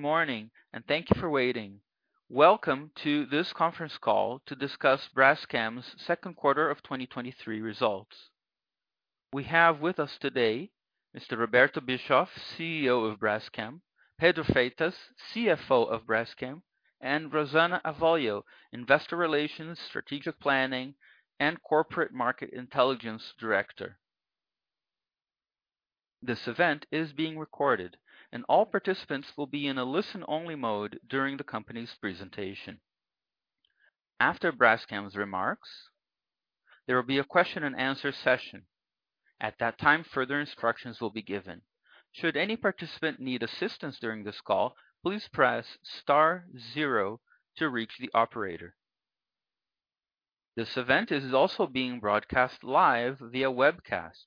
Good morning. Thank you for waiting. Welcome to this conference call to discuss Braskem's second quarter of 2023 results. We have with us today Roberto Bischoff, CEO of Braskem, Pedro Freitas, CFO of Braskem, and Rosana Avolio, Investor Relations, Strategic Planning and Corporate Market Intelligence Director. This event is being recorded. All participants will be in a listen-only mode during the company's presentation. After Braskem's remarks, there will be a question and answer session. At that time, further instructions will be given. Should any participant need assistance during this call, please press star zero to reach the operator. This event is also being broadcast live via webcast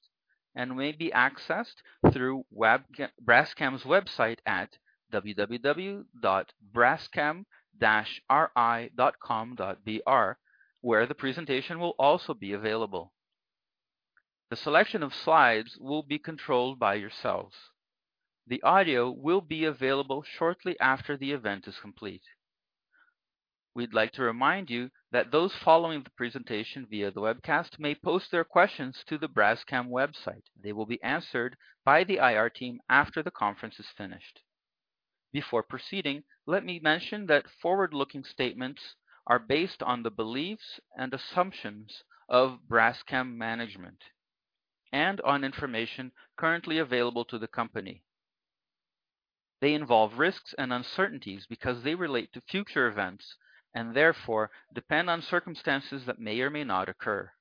and may be accessed through Braskem's website at www.braskem-ri.com.br, where the presentation will also be available. The selection of slides will be controlled by yourselves. The audio will be available shortly after the event is complete. We'd like to remind you that those following the presentation via the webcast may post their questions to the Braskem website. They will be answered by the IR team after the conference is finished. Before proceeding, let me mention that forward-looking statements are based on the beliefs and assumptions of Braskem management, and on information currently available to the company. They involve risks and uncertainties because they relate to future events, and therefore depend on circumstances that may or may not occur.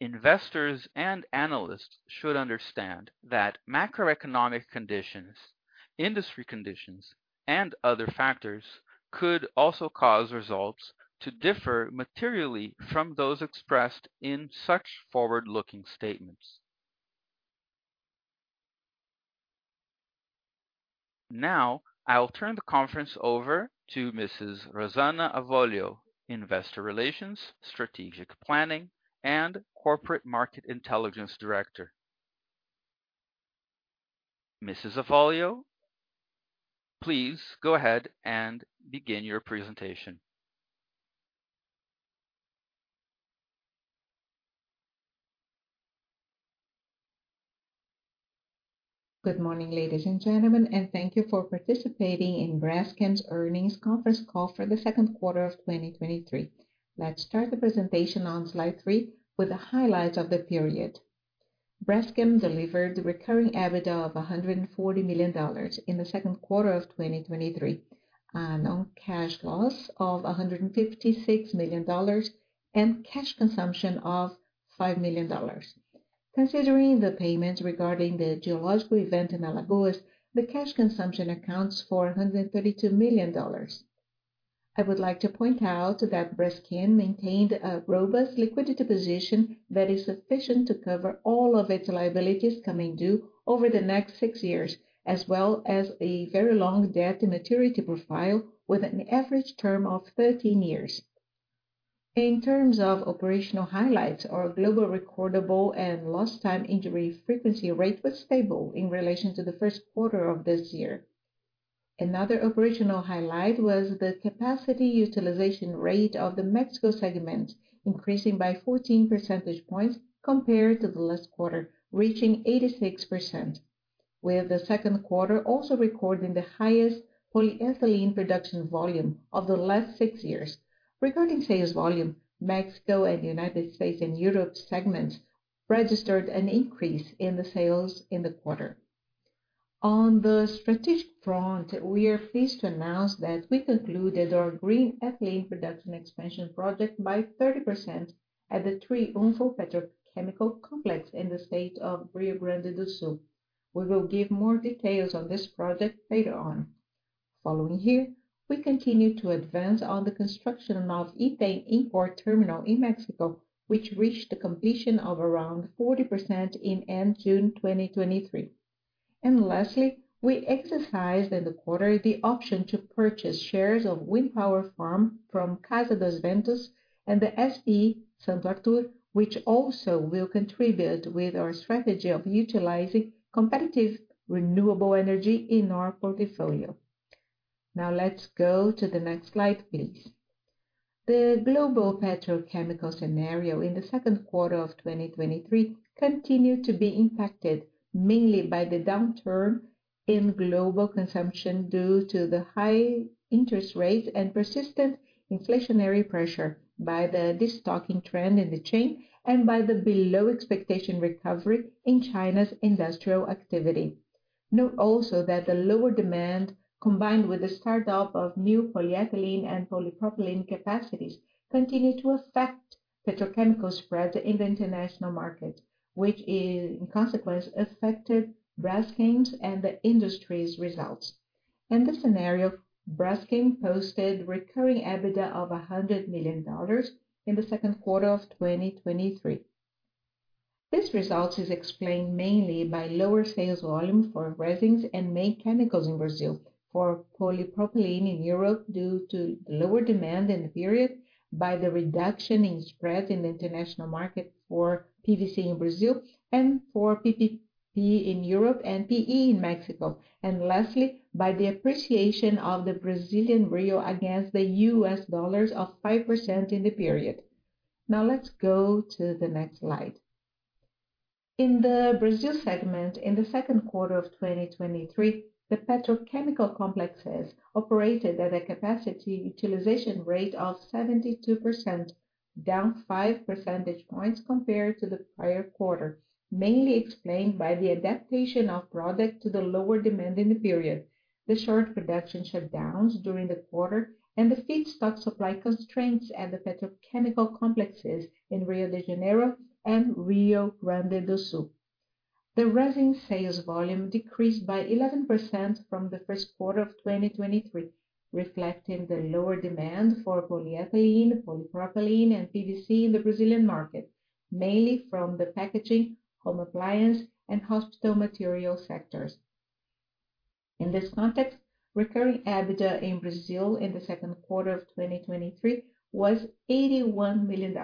Investors and analysts should understand that macroeconomic conditions, industry conditions, and other factors could also cause results to differ materially from those expressed in such forward-looking statements. Now, I'll turn the conference over to Mrs. Rosana Avolio, Investor Relations, Strategic Planning, and Corporate Market Intelligence Director. Mrs. Avolio, please go ahead and begin your presentation. Good morning, ladies and gentlemen, and thank you for participating in Braskem's Earnings Conference Call for the second quarter of 2023. Let's start the presentation on slide 3 with the highlights of the period. Braskem delivered recurring EBITDA of $140 million in the second quarter of 2023, a non-cash loss of $156 million, and cash consumption of $5 million. Considering the payments regarding the geological event in Alagoas, the cash consumption accounts for $132 million. I would like to point out that Braskem maintained a robust liquidity position that is sufficient to cover all of its liabilities coming due over the next six years, as well as a very long debt maturity profile with an average term of 13 years. In terms of operational highlights, our global recordable and lost time injury frequency rate was stable in relation to the first quarter of this year. Another operational highlight was the capacity utilization rate of the Mexico segment, increasing by 14 percentage points compared to the last quarter, reaching 86%, with the second quarter also recording the highest polyethylene production volume of the last six years. Regarding sales volume, Mexico and United States and Europe segments registered an increase in the sales in the quarter. On the strategic front, we are pleased to announce that we concluded our green ethylene production expansion project by 30% at the Triunfo Petrochemical Complex in the state of Rio Grande do Sul. We will give more details on this project later on. Following here, we continue to advance on the construction of ethane import terminal in Mexico, which reached the completion of around 40% in end June 2023. Lastly, we exercised in the quarter the option to purchase shares of Wind Power Farm from Casa dos Ventos and the SE Santo Artur, which also will contribute with our strategy of utilizing competitive, renewable energy in our portfolio. Now, let's go to the next slide, please. The global petrochemical scenario in the second quarter of 2023 continued to be impacted mainly by the downturn in global consumption due to the high interest rates and persistent inflationary pressure by the destocking trend in the chain and by the below expectation recovery in China's industrial activity. Note also that the lower demand, combined with the start-up of new polyethylene and polypropylene capacities, continued to affect petrochemical spreads in the international market, which in consequence, affected Braskem's and the industry's results. In this scenario, Braskem posted recurring EBITDA of $100 million in the second quarter of 2023. This result is explained mainly by lower sales volume for resins and main chemicals in Brazil, for polypropylene in Europe, due to lower demand in the period, by the reduction in spread in the international market for PVC in Brazil, and for PP in Europe and PE in Mexico, and lastly, by the appreciation of the Brazilian real against the U.S. dollars of 5% in the period. Let's go to the next slide. In the Brazil segment, in the second quarter of 2023, the petrochemical complexes operated at a capacity utilization rate of 72%, down 5 percentage points compared to the prior quarter, mainly explained by the adaptation of product to the lower demand in the period. The short production shutdowns during the quarter and the feedstock supply constraints at the petrochemical complexes in Rio de Janeiro and Rio Grande do Sul. The resin sales volume decreased by 11% from the first quarter of 2023, reflecting the lower demand for polyethylene, polypropylene, and PVC in the Brazilian market, mainly from the packaging, home appliance, and hospital material sectors. In this context, recurring EBITDA in Brazil in the second quarter of 2023 was $81 million,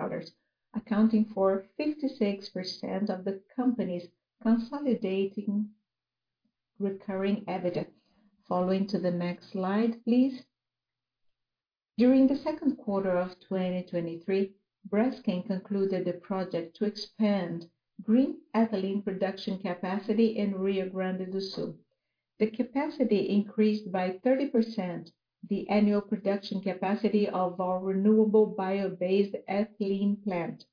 accounting for 56% of the company's consolidating recurring EBITDA. Following to the next slide, please. During the second quarter of 2023, Braskem concluded the project to expand green ethylene production capacity in Rio Grande do Sul. The capacity increased by 30%, the annual production capacity of our renewable bio-based ethylene plant.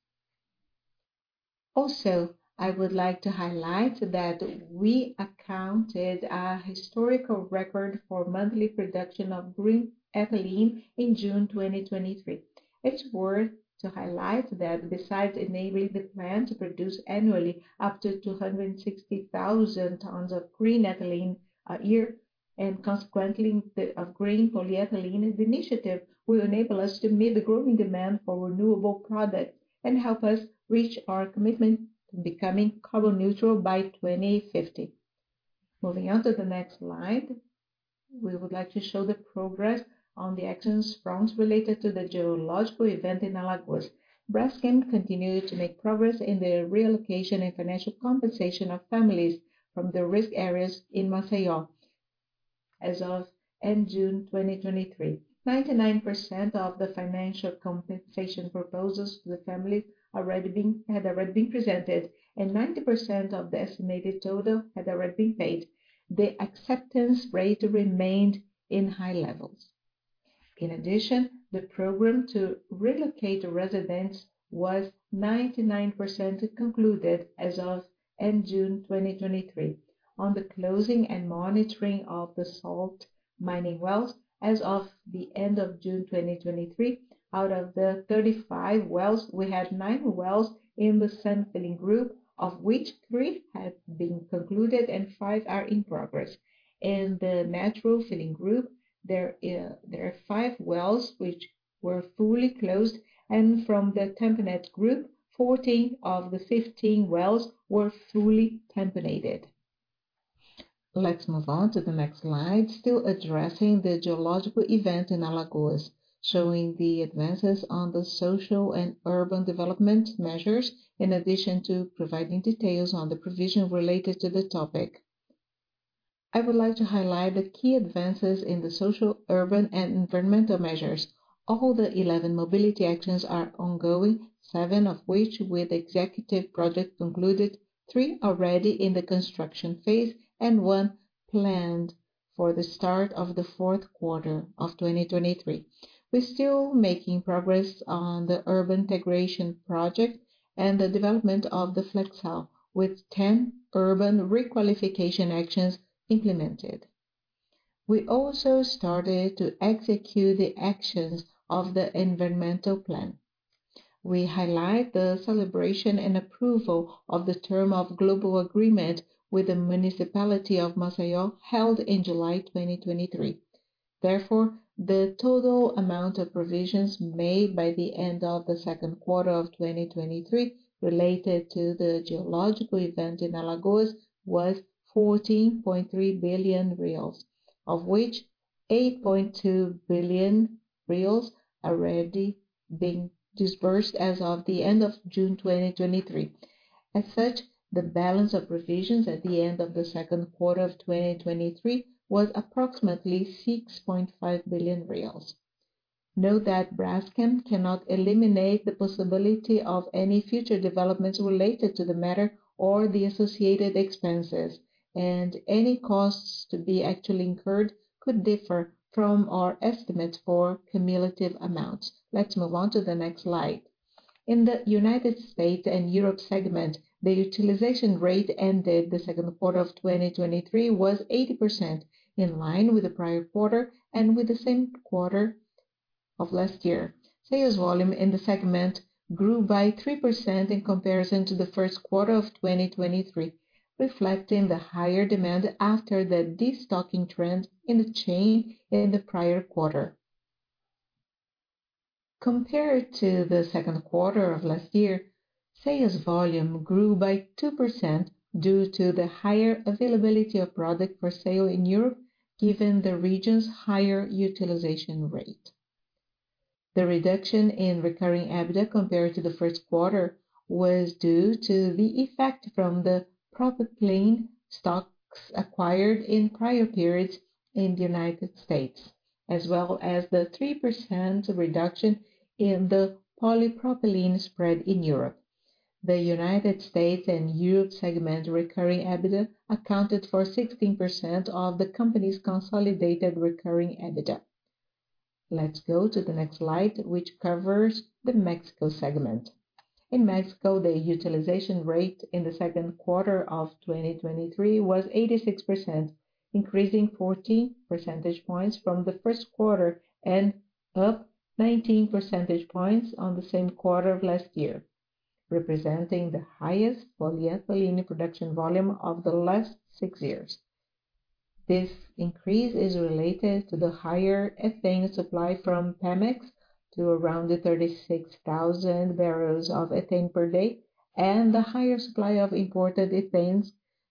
I would like to highlight that we accounted a historical record for monthly production of green ethylene in June 2023. It's worth to highlight that besides enabling the plant to produce annually up to 260,000 tons of green ethylene a year, and consequently, the green polyethylene initiative, will enable us to meet the growing demand for renewable products and help us reach our commitment to becoming carbon neutral by 2050. Moving on to the next slide, we would like to show the progress on the actions, fronts related to the geological event in Alagoas. Braskem continued to make progress in the relocation and financial compensation of families from the risk areas in Maceió. As of end June 2023, 99% of the financial compensation proposals to the families had already been presented, and 90% of the estimated total had already been paid. The acceptance rate remained in high levels. In addition, the program to relocate the residents was 99% concluded as of end June 2023. On the closing and monitoring of the salt mining wells, as of the end of June 2023, out of the 35 wells, we had nine wells in the sand filling group, of which three have been concluded and five are in progress. In the natural filling group, there are five wells which were fully closed, and from the tamponamento group, 14 of the 15 wells were fully tamponated. Let's move on to the next slide, still addressing the geological event in Alagoas, showing the advances on the social and urban development measures, in addition to providing details on the provision related to the topic. I would like to highlight the key advances in the social, urban, and environmental measures. All the 11 mobility actions are ongoing, seven of which with executive project concluded, three already in the construction phase, and one planned for the start of the fourth quarter of 2023. We're still making progress on the urban integration project and the development of the Flexal, with 10 urban requalification actions implemented. We also started to execute the actions of the environmental plan. We highlight the celebration and approval of the term of global agreement with the municipality of Maceió, held in July 2023. Therefore, the total amount of provisions made by the end of the second quarter of 2023, related to the geological event in Alagoas, was 14.3 billion reais, of which 8.2 billion reais already been disbursed as of the end of June 2023. The balance of provisions at the end of the second quarter of 2023 was approximately 6.5 billion reais. Note that Braskem cannot eliminate the possibility of any future developments related to the matter or the associated expenses, and any costs to be actually incurred could differ from our estimates for cumulative amounts. Let's move on to the next slide. In the United States and Europe segment, the utilization rate ended the second quarter of 2023 was 80%, in line with the prior quarter and with the same quarter of last year. Sales volume in the segment grew by 3% in comparison to the first quarter of 2023, reflecting the higher demand after the destocking trend in the chain in the prior quarter. Compared to the second quarter of last year, sales volume grew by 2% due to the higher availability of product for sale in Europe, given the region's higher utilization rate. The reduction in recurring EBITDA compared to the first quarter, was due to the effect from the propylene stocks acquired in prior periods in the United States, as well as the 3% reduction in the polypropylene spread in Europe. The United States and Europe segment recurring EBITDA accounted for 16% of the company's consolidated recurring EBITDA. Let's go to the next slide, which covers the Mexico segment. In Mexico, the utilization rate in the second quarter of 2023 was 86%, increasing 14 percentage points from the first quarter, and up 19 percentage points on the same quarter of last year, representing the highest polyethylene production volume of the last six years. This increase is related to the higher ethane supply from Pemex to around 36,000 barrels of ethane per day, and the higher supply of imported ethanes,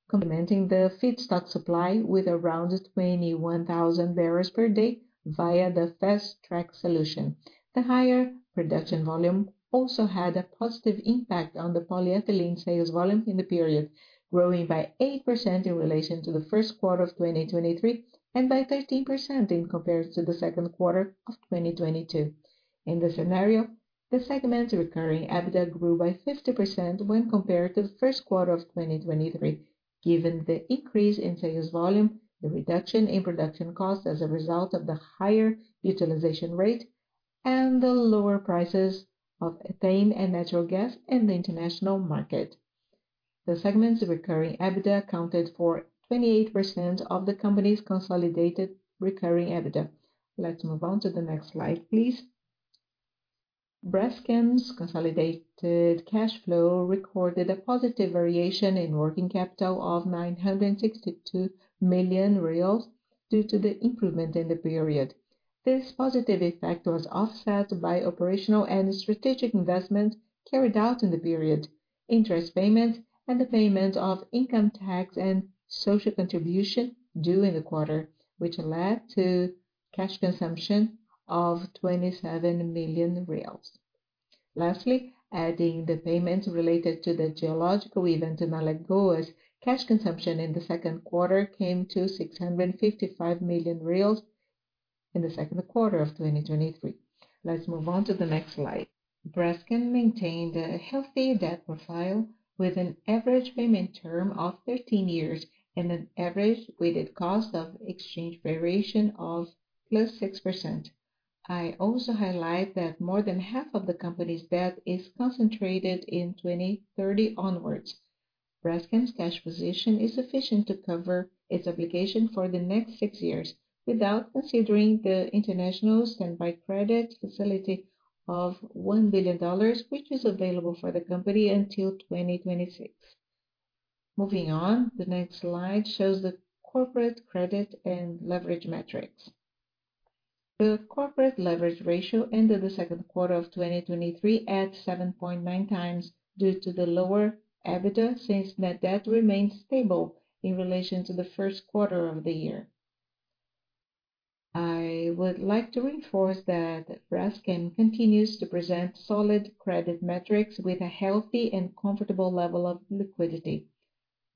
complementing the feedstock supply with around 21,000 barrels per day via the fast-track solution. The higher production volume also had a positive impact on the polyethylene sales volume in the period, growing by 8% in relation to the first quarter of 2023, and by 13% in comparison to the second quarter of 2022. In this scenario, the segment's recurring EBITDA grew by 50% when compared to the first quarter of 2023, given the increase in sales volume, the reduction in production costs as a result of the higher utilization rate, and the lower prices of ethane and natural gas in the international market. The segment's recurring EBITDA accounted for 28% of the company's consolidated recurring EBITDA. Let's move on to the next slide, please. Braskem's consolidated cash flow recorded a positive variation in working capital of 962 million reais, due to the improvement in the period. This positive effect was offset by operational and strategic investment carried out in the period, interest payments, and the payment of income tax and social contribution due in the quarter, which led to cash consumption of 27 million reais. Lastly, adding the payments related to the geological event in Alagoas, cash consumption in the 2Q came to 655 million reais in the 2Q of 2023. Let's move on to the next slide. Braskem maintained a healthy debt profile with an average payment term of 13 years and an average weighted cost of exchange variation of +6%. I also highlight that more than half of the company's debt is concentrated in 2030 onwards. Braskem's cash position is sufficient to cover its obligation for the next six years, without considering the international standby credit facility of $1 billion, which is available for the company until 2026. Moving on, the next slide shows the corporate credit and leverage metrics. The corporate leverage ratio ended the second quarter of 2023 at 7.9x due to the lower EBITDA, since net debt remained stable in relation to the first quarter of the year. I would like to reinforce that Braskem continues to present solid credit metrics with a healthy and comfortable level of liquidity.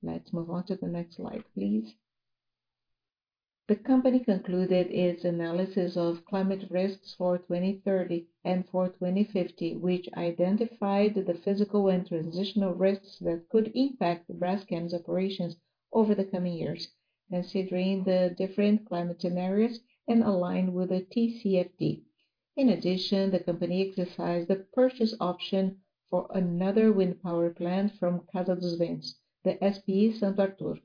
Let's move on to the next slide, please. The company concluded its analysis of climate risks for 2030 and for 2050, which identified the physical and transitional risks that could impact Braskem's operations over the coming years, considering the different climate scenarios and aligned with the TCFD. In addition, the company exercised the purchase option for another wind power plant from Casa dos Ventos, the SPE Santo Artur.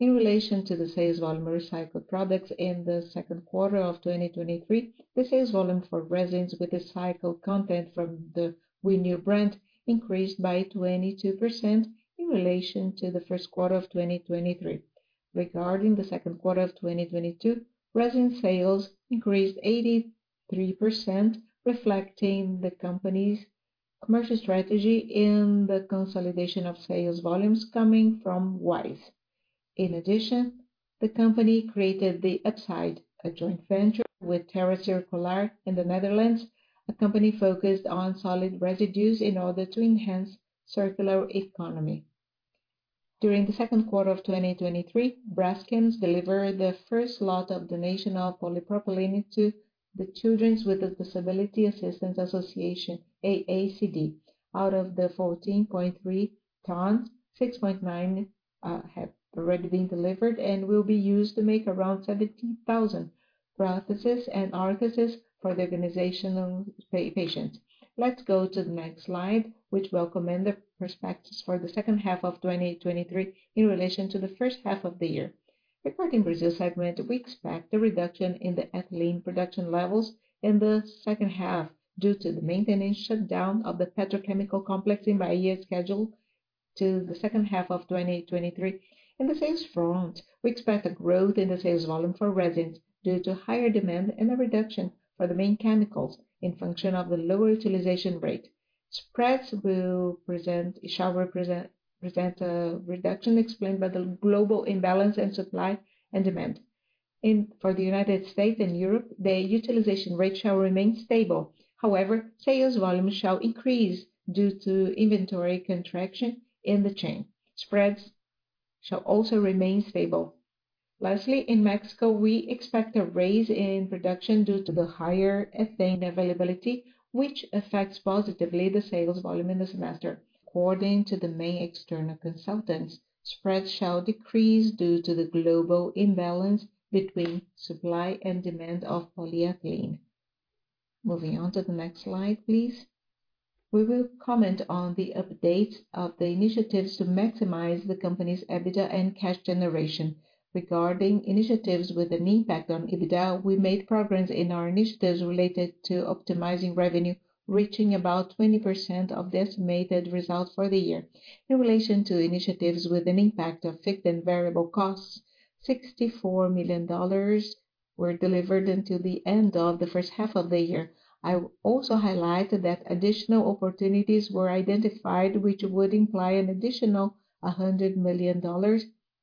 In relation to the sales volume of recycled products in the second quarter of 2023, the sales volume for resins with a recycled content from the Wenew brand increased by 22% in relation to the first quarter of 2023. Regarding the second quarter of 2022, resin sales increased 83%, reflecting the company's commercial strategy in the consolidation of sales volumes coming from Wise. In addition, the company created the Upsyde, a joint venture with Terra Circular in the Netherlands, a company focused on solid residues in order to enhance circular economy. During the second quarter of 2023, Braskem delivered the first lot of donation of polypropylene to the Association for Assistance of Disabled Children, AACD. Out of the 14.3 tons, 6.9 have already been delivered and will be used to make around 70,000 prostheses and orthoses for the organizational patients. Let's go to the next slide, which will recommend the perspectives for the second half of 2023 in relation to the first half of the year. Regarding Brazil segment, we expect a reduction in the ethylene production levels in the second half, due to the maintenance shutdown of the petrochemical complex in Bahia scheduled to the second half of 2023. In the sales front, we expect a growth in the sales volume for resins due to higher demand and a reduction for the main chemicals in function of the lower utilization rate. Spreads shall present a reduction explained by the global imbalance in supply and demand. For the United States and Europe, the utilization rate shall remain stable. Sales volume shall increase due to inventory contraction in the chain. Spreads shall also remain stable. Lastly, in Mexico, we expect a raise in production due to the higher ethane availability, which affects positively the sales volume in the semester. According to the main external consultants, spreads shall decrease due to the global imbalance between supply and demand of polyethylene. Moving on to the next slide, please. We will comment on the updates of the initiatives to maximize the company's EBITDA and cash generation. Regarding initiatives with an impact on EBITDA, we made progress in our initiatives related to optimizing revenue, reaching about 20% of the estimated result for the year. In relation to initiatives with an impact of fixed and variable costs, $64 million were delivered until the end of the first half of the year. I will also highlight that additional opportunities were identified, which would imply an additional $100 million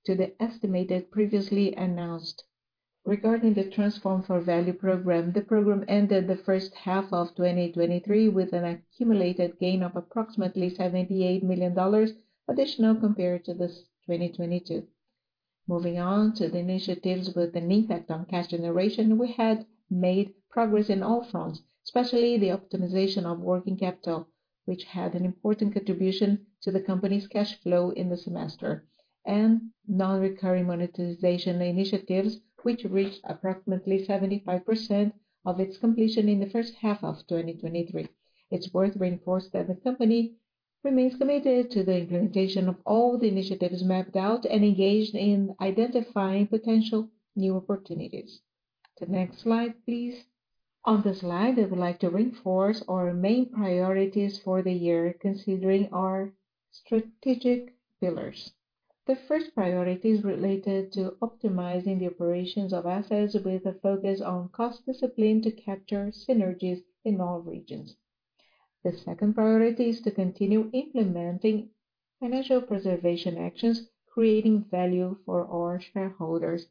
to the estimated previously announced. Regarding the Transform for Value program, the program ended the first half of 2023 with an accumulated gain of approximately $78 million additional compared to this 2022. Moving on to the initiatives with an impact on cash generation, we had made progress in all fronts, especially the optimization of working capital, which had an important contribution to the company's cash flow in the semester, and non-recurring monetization initiatives, which reached approximately 75% of its completion in the first half of 2023. It's worth reinforcing that the company remains committed to the implementation of all the initiatives mapped out and engaged in identifying potential new opportunities. The next slide, please. On this slide, I would like to reinforce our main priorities for the year, considering our strategic pillars. The first priority is related to optimizing the operations of assets with a focus on cost discipline to capture synergies in all regions. The second priority is to continue implementing financial preservation actions, creating value for our shareholders.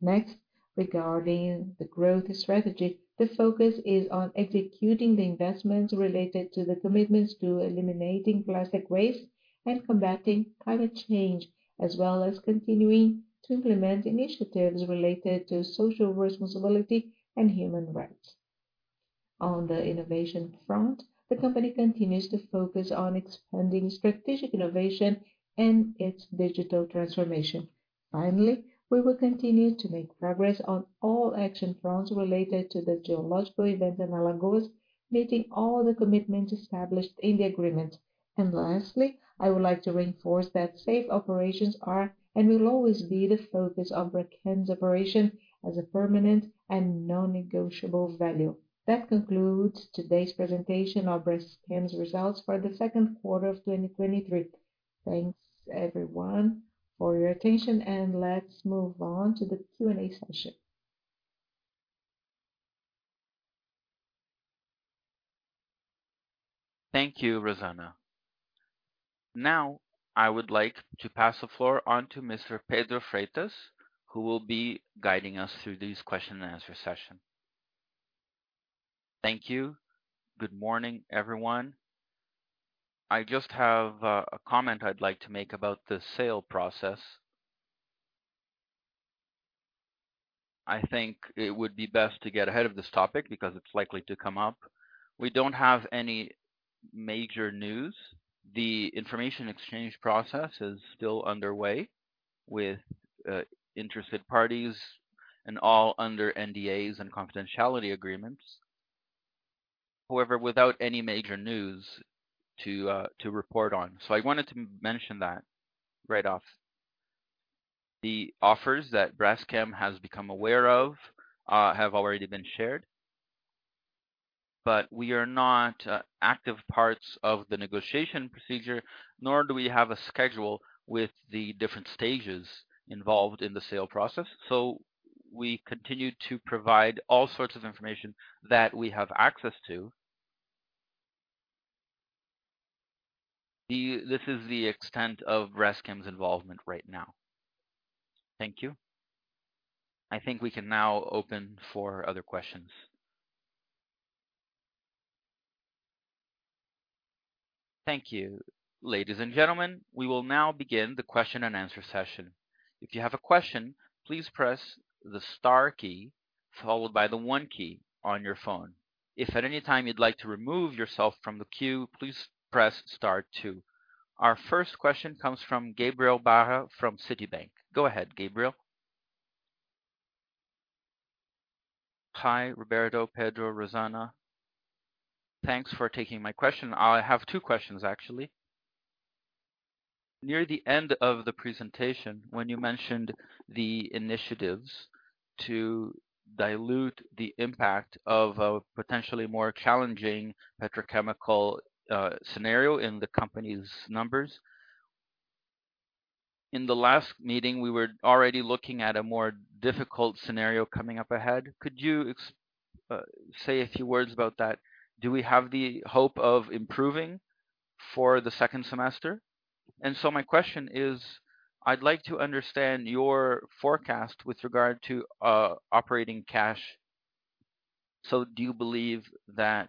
Next, regarding the growth strategy, the focus is on executing the investments related to the commitments to eliminating plastic waste and combating climate change, as well as continuing to implement initiatives related to social responsibility and human rights. On the innovation front, the company continues to focus on expanding strategic innovation and its digital transformation. Finally, we will continue to make progress on all action fronts related to the geological event in Alagoas, meeting all the commitments established in the agreement. Lastly, I would like to reinforce that safe operations are and will always be the focus of Braskem's operation as a permanent and non-negotiable value. That concludes today's presentation of Braskem's results for the second quarter of 2023. Thanks, everyone, for your attention, and let's move on to the Q&A session. Thank you, Rosana. Now, I would like to pass the floor on to Mr. Pedro Freitas, who will be guiding us through this question and answer session. Thank you. Good morning, everyone. I just have a comment I'd like to make about the sale process. I think it would be best to get ahead of this topic because it's likely to come up. We don't have any major news. The information exchange process is still underway with interested parties and all under NDAs and confidentiality agreements. However, without any major news to report on. I wanted to mention that right off. The offers that Braskem has become aware of have already been shared, but we are not active parts of the negotiation procedure, nor do we have a schedule with the different stages involved in the sale process. We continue to provide all sorts of information that we have access to. This is the extent of Braskem's involvement right now. Thank you. I think we can now open for other questions. Thank you. Ladies and gentlemen, we will now begin the question and answer session. If you have a question, please press the star key followed by the one key on your phone. If at any time you'd like to remove yourself from the queue, please press star two. Our first question comes from Gabriel Barra from Citibank. Go ahead, Gabriel. Hi, Roberto, Pedro, Rosana. Thanks for taking my question. I have two questions, actually. Near the end of the presentation, when you mentioned the initiatives to dilute the impact of a potentially more challenging petrochemical scenario in the company's numbers. In the last meeting, we were already looking at a more difficult scenario coming up ahead. Could you say a few words about that? Do we have the hope of improving for the second semester? My question is: I'd like to understand your forecast with regard to operating cash. Do you believe that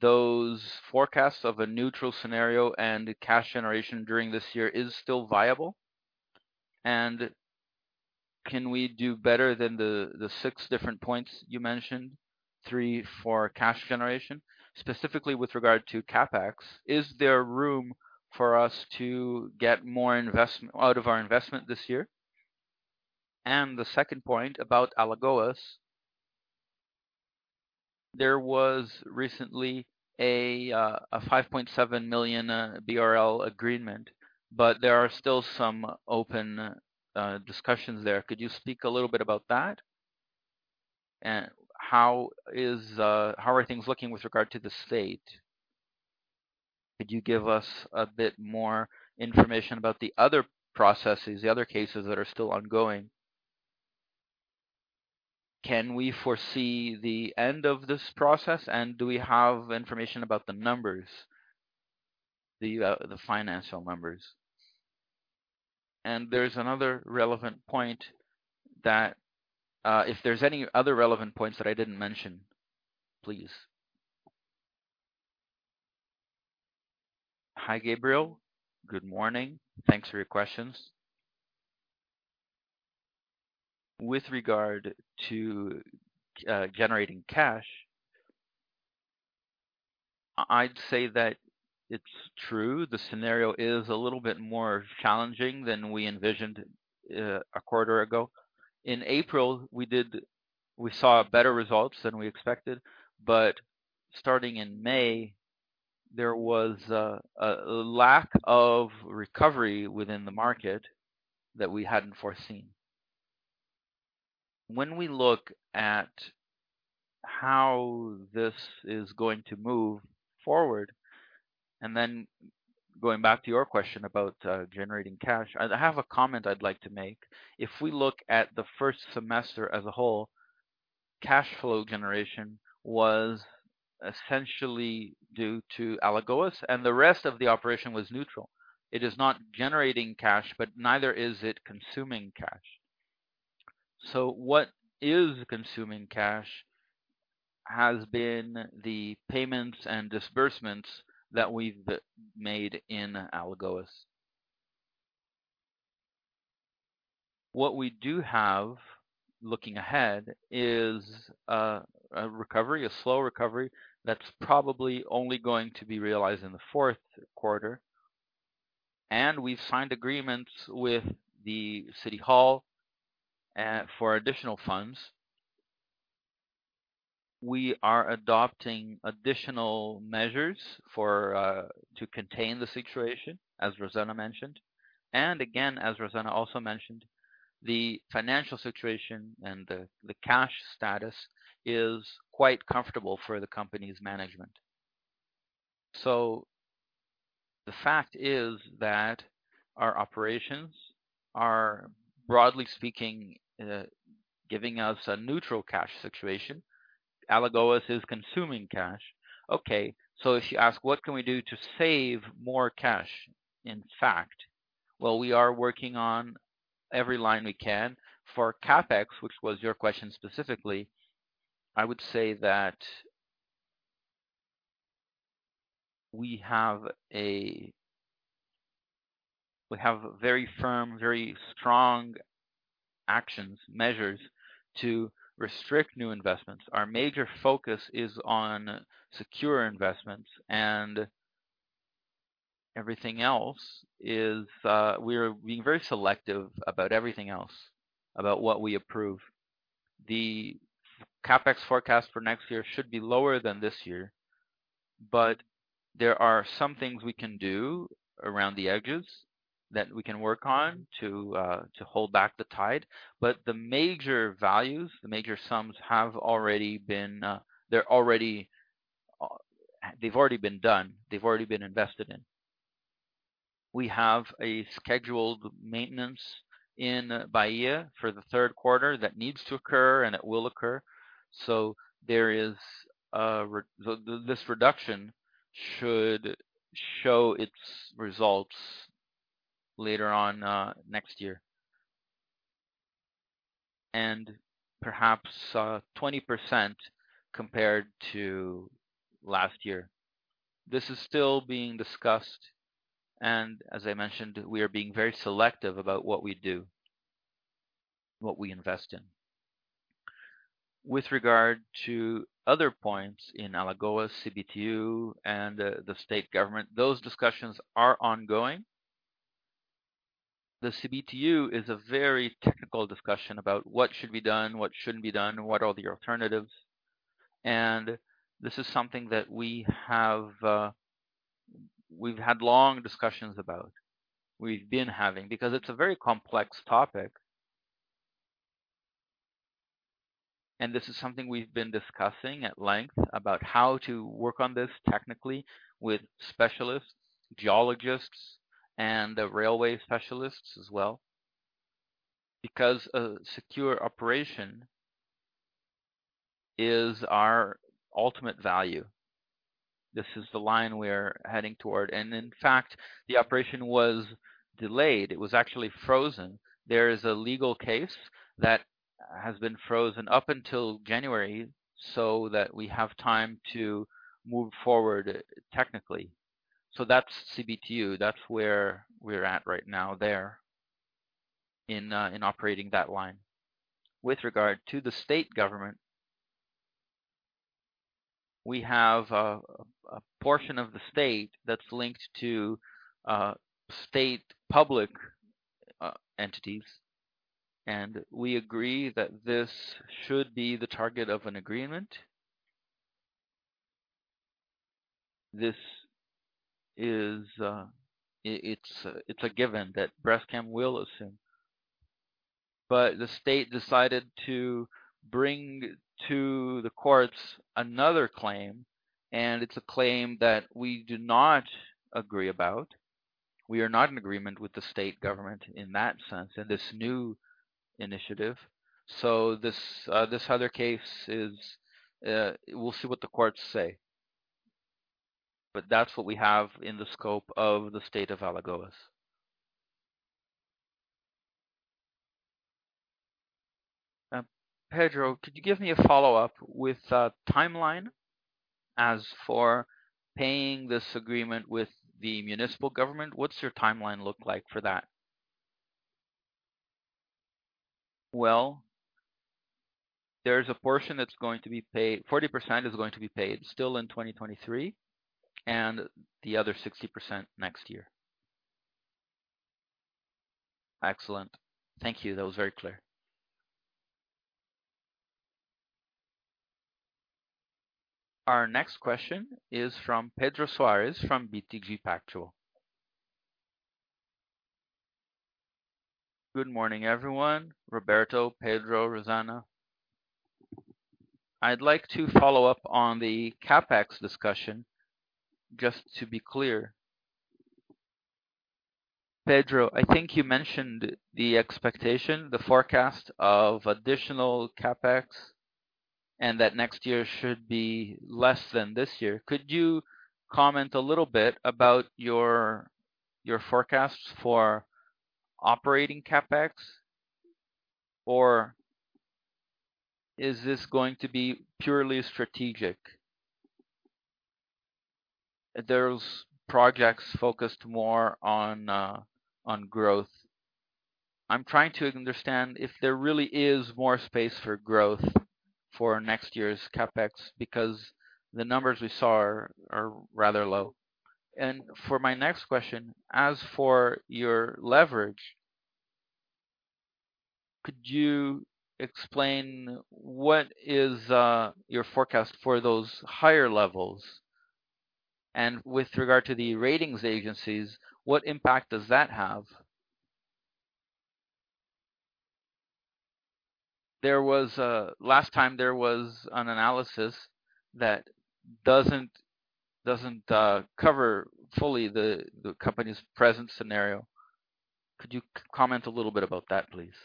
those forecasts of a neutral scenario and the cash generation during this year is still viable? Can we do better than the, the six different points you mentioned, three for cash generation? Specifically with regard to CapEx, is there room for us to get more out of our investment this year? The second point about Alagoas, there was recently a 5.7 million BRL agreement, but there are still some open discussions there. Could you speak a little bit about that? How are things looking with regard to the state? Could you give us a bit more information about the other processes, the other cases that are still ongoing? Can we foresee the end of this process, and do we have information about the numbers, the financial numbers? There's another relevant point that, if there's any other relevant points that I didn't mention, please. Hi, Gabriel. Good morning. Thanks for your questions. With regard to generating cash, I'd say that it's true, the scenario is a little bit more challenging than we envisioned a quarter ago. In April, we saw better results than we expected. Starting in May, there was a lack of recovery within the market that we hadn't foreseen. When we look at how this is going to move forward, and then going back to your question about generating cash, I have a comment I'd like to make. If we look at the first semester as a whole, cash flow generation was essentially due to Alagoas, and the rest of the operation was neutral. It is not generating cash, but neither is it consuming cash. What is consuming cash has been the payments and disbursements that we've made in Alagoas. What we do have, looking ahead, is a recovery, a slow recovery, that's probably only going to be realized in the fourth quarter, and we've signed agreements with the city hall for additional funds. We are adopting additional measures for to contain the situation, as Rosana mentioned. Again, as Rosana also mentioned, the financial situation and the cash status is quite comfortable for the company's management. The fact is that our operations are, broadly speaking, giving us a neutral cash situation. Alagoas is consuming cash. If you ask, what can we do to save more cash, in fact? Well, we are working on every line we can. For CapEx, which was your question specifically, I would say that we have very firm, very strong actions, measures to restrict new investments. Our major focus is on secure investments, everything else is, we are being very selective about everything else, about what we approve. The CapEx forecast for next year should be lower than this year, but there are some things we can do around the edges that we can work on to hold back the tide. The major values, the major sums, have already been, they're already. They've already been done. They've already been invested in. We have a scheduled maintenance in Bahia for the third quarter that needs to occur, and it will occur. There is this reduction should show its results later on next year, and perhaps 20% compared to last year. This is still being discussed, and as I mentioned, we are being very selective about what we do, what we invest in. With regard to other points in Alagoas, CBTU, and the state government, those discussions are ongoing. The CBTU is a very technical discussion about what should be done, what shouldn't be done, what are the alternatives, this is something that we have – we've had long discussions about, we've been having, because it's a very complex topic. This is something we've been discussing at length about how to work on this technically with specialists, geologists, and the railway specialists as well, because a secure operation is our ultimate value. This is the line we're heading toward, and in fact, the operation was delayed. It was actually frozen. There is a legal case that has been frozen up until January so that we have time to move forward technically. That's CBTU. That's where we're at right now there in operating that line. With regard to the state government, we have a, a portion of the state that's linked to, state public, entities. We agree that this should be the target of an agreement. This is. It, it's, it's a given that Braskem will assume. The state decided to bring to the courts another claim, and it's a claim that we do not agree about. We are not in agreement with the state government in that sense, in this new initiative. This, this other case is, we'll see what the courts say. That's what we have in the scope of the state of Alagoas. Pedro, could you give me a follow-up with a timeline as for paying this agreement with the municipal government? What's your timeline look like for that? Well, there's a portion that's going to be paid – 40% is going to be paid still in 2023, and the other 60% next year. Excellent. Thank you. That was very clear. Our next question is from Pedro Soares, from BTG Pactual. Good morning, everyone, Roberto, Pedro, Rosana. I'd like to follow up on the CapEx discussion, just to be clear. Pedro, I think you mentioned the expectation, the forecast of additional CapEx, and that next year should be less than this year. Could you comment a little bit about your, your forecasts for operating CapEx, or is this going to be purely strategic? There's projects focused more on, on growth. I'm trying to understand if there really is more space for growth for next year's CapEx, because the numbers we saw are, are rather low. For my next question, as for your leverage, could you explain what is your forecast for those higher levels? With regard to the ratings agencies, what impact does that have? Last time, there was an analysis that doesn't, doesn't cover fully the company's present scenario. Could you comment a little bit about that, please?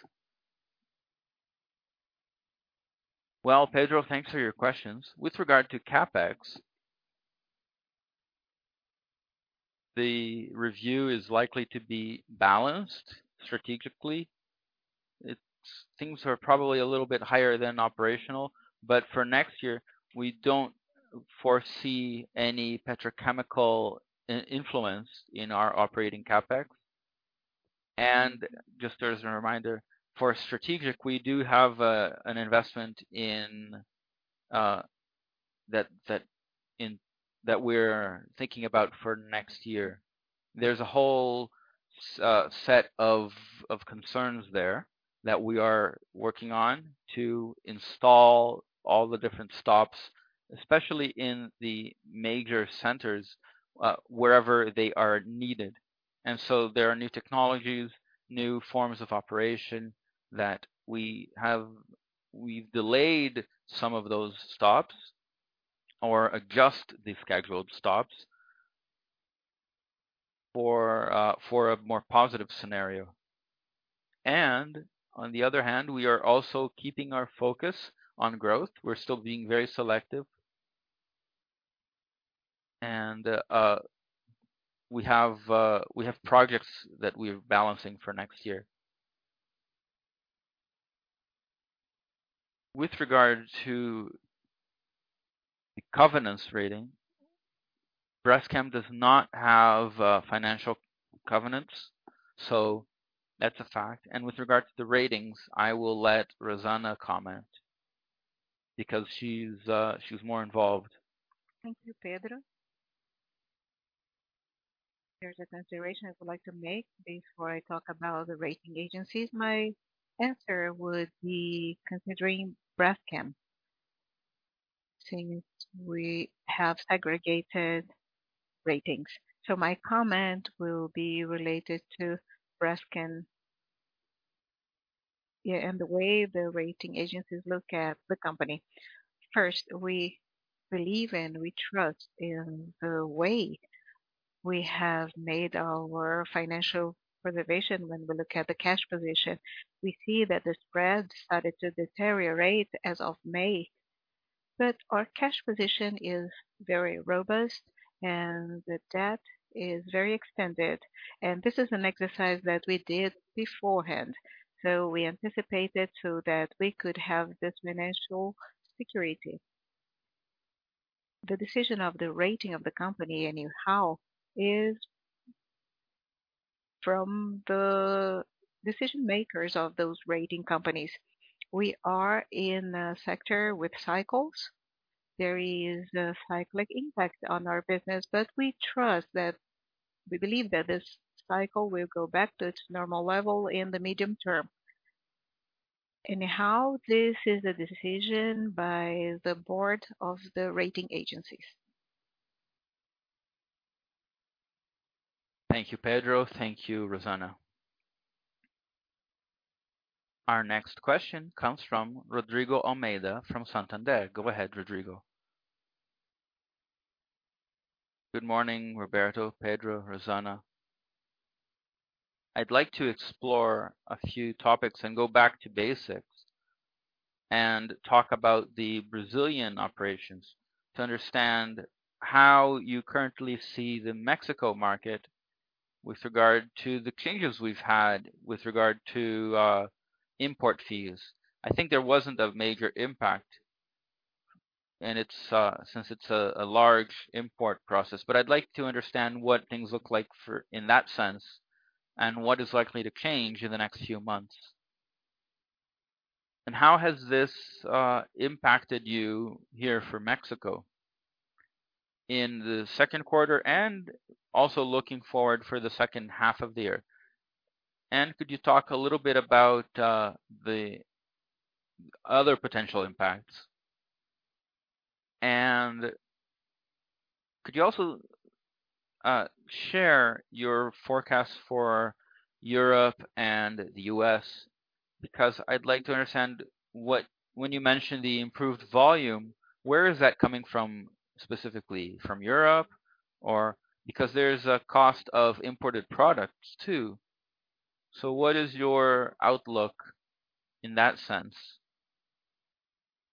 Well, Pedro, thanks for your questions. With regard to CapEx, the review is likely to be balanced strategically. Things are probably a little bit higher than operational, but for next year, we don't foresee any petrochemical in-influence in our operating CapEx. Just as a reminder, for strategic, we do have an investment in that we're thinking about for next year. There's a whole set of concerns there that we are working on to install all the different stops, especially in the major centers, wherever they are needed. There are new technologies, new forms of operation that we have – we've delayed some of those stops, or adjust the scheduled stops for a more positive scenario. On the other hand, we are also keeping our focus on growth. We're still being very selective, and we have projects that we're balancing for next year. With regard to the covenants rating, Braskem does not have financial covenants, so that's a fact. With regard to the ratings, I will let Rosana comment because she's more involved. Thank you, Pedro. There's a consideration I would like to make before I talk about the rating agencies. My answer would be considering Braskem, since we have aggregated ratings. My comment will be related to Braskem. Yeah, and the way the rating agencies look at the company. First, we believe and we trust in the way we have made our financial preservation. When we look at the cash position, we see that the spread started to deteriorate as of May. Our cash position is very robust, and the debt is very extended. This is an exercise that we did beforehand, so we anticipated so that we could have this financial security. The decision of the rating of the company and in how is from the decision-makers of those rating companies. We are in a sector with cycles. There is a cyclic impact on our business, but we believe that this cycle will go back to its normal level in the medium term. Anyhow, this is a decision by the board of the rating agencies. Thank you, Pedro. Thank you, Rosana. Our next question comes from Rodrigo Almeida from Santander. Go ahead, Rodrigo. Good morning, Roberto, Pedro, Rosana. I'd like to explore a few topics and go back to basics and talk about the Brazilian operations to understand how you currently see the Mexico market with regard to the changes we've had with regard to import fees. I think there wasn't a major impact, and it's since it's a large import process. I'd like to understand what things look like for – in that sense, and what is likely to change in the next few months. How has this impacted you here for Mexico in the second quarter and also looking forward for the second half of the year? Could you talk a little bit about the other potential impacts? Could you also share your forecast for Europe and the U.S.? I'd like to understand what... When you mention the improved volume, where is that coming from, specifically? From Europe? Because there is a cost of imported products, too. What is your outlook in that sense?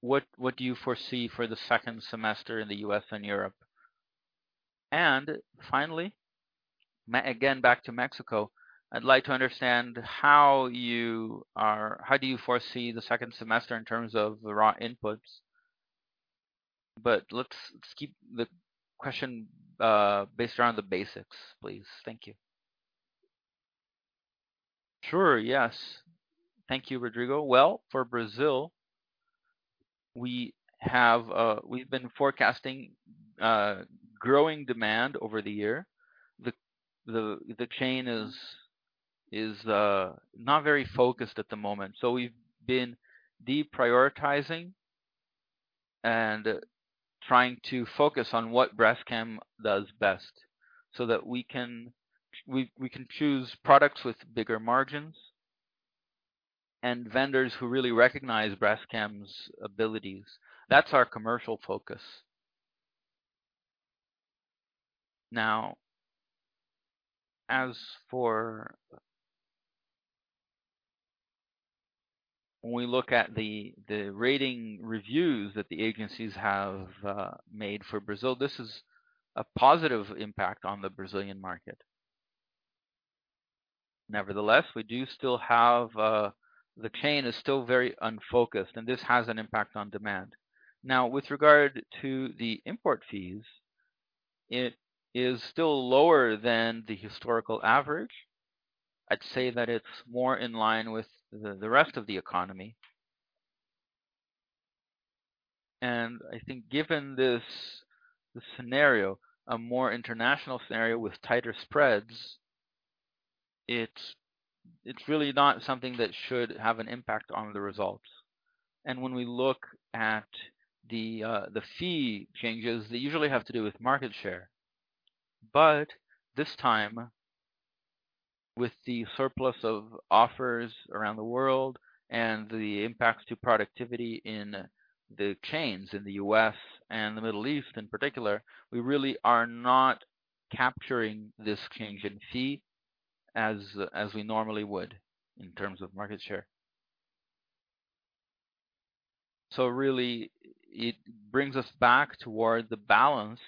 What do you foresee for the second semester in the U.S. and Europe? Finally, again, back to Mexico, I'd like to understand how do you foresee the second semester in terms of the raw inputs? Let's, let's keep the question based around the basics, please. Thank you. Sure. Yes. Thank you, Rodrigo. Well, for Brazil, we have, we've been forecasting growing demand over the year. The, the, the chain is, is not very focused at the moment, so we've been deprioritizing and trying to focus on what Braskem does best, so that we can, we, we can choose products with bigger margins and vendors who really recognize Braskem's abilities. That's our commercial focus. Now, when we look at the, the rating reviews that the agencies have made for Brazil, this is a positive impact on the Brazilian market. Nevertheless, we do still have, the chain is still very unfocused, and this has an impact on demand. Now, with regard to the import fees, it is still lower than the historical average. I'd say that it's more in line with the, the rest of the economy. I think given this, the scenario, a more international scenario with tighter spreads, it's, it's really not something that should have an impact on the results. When we look at the fee changes, they usually have to do with market share. This time, with the surplus of offers around the world and the impact to productivity in the chains in the US and the Middle East in particular, we really are not capturing this change in fee as, as we normally would in terms of market share. Really, it brings us back toward the balance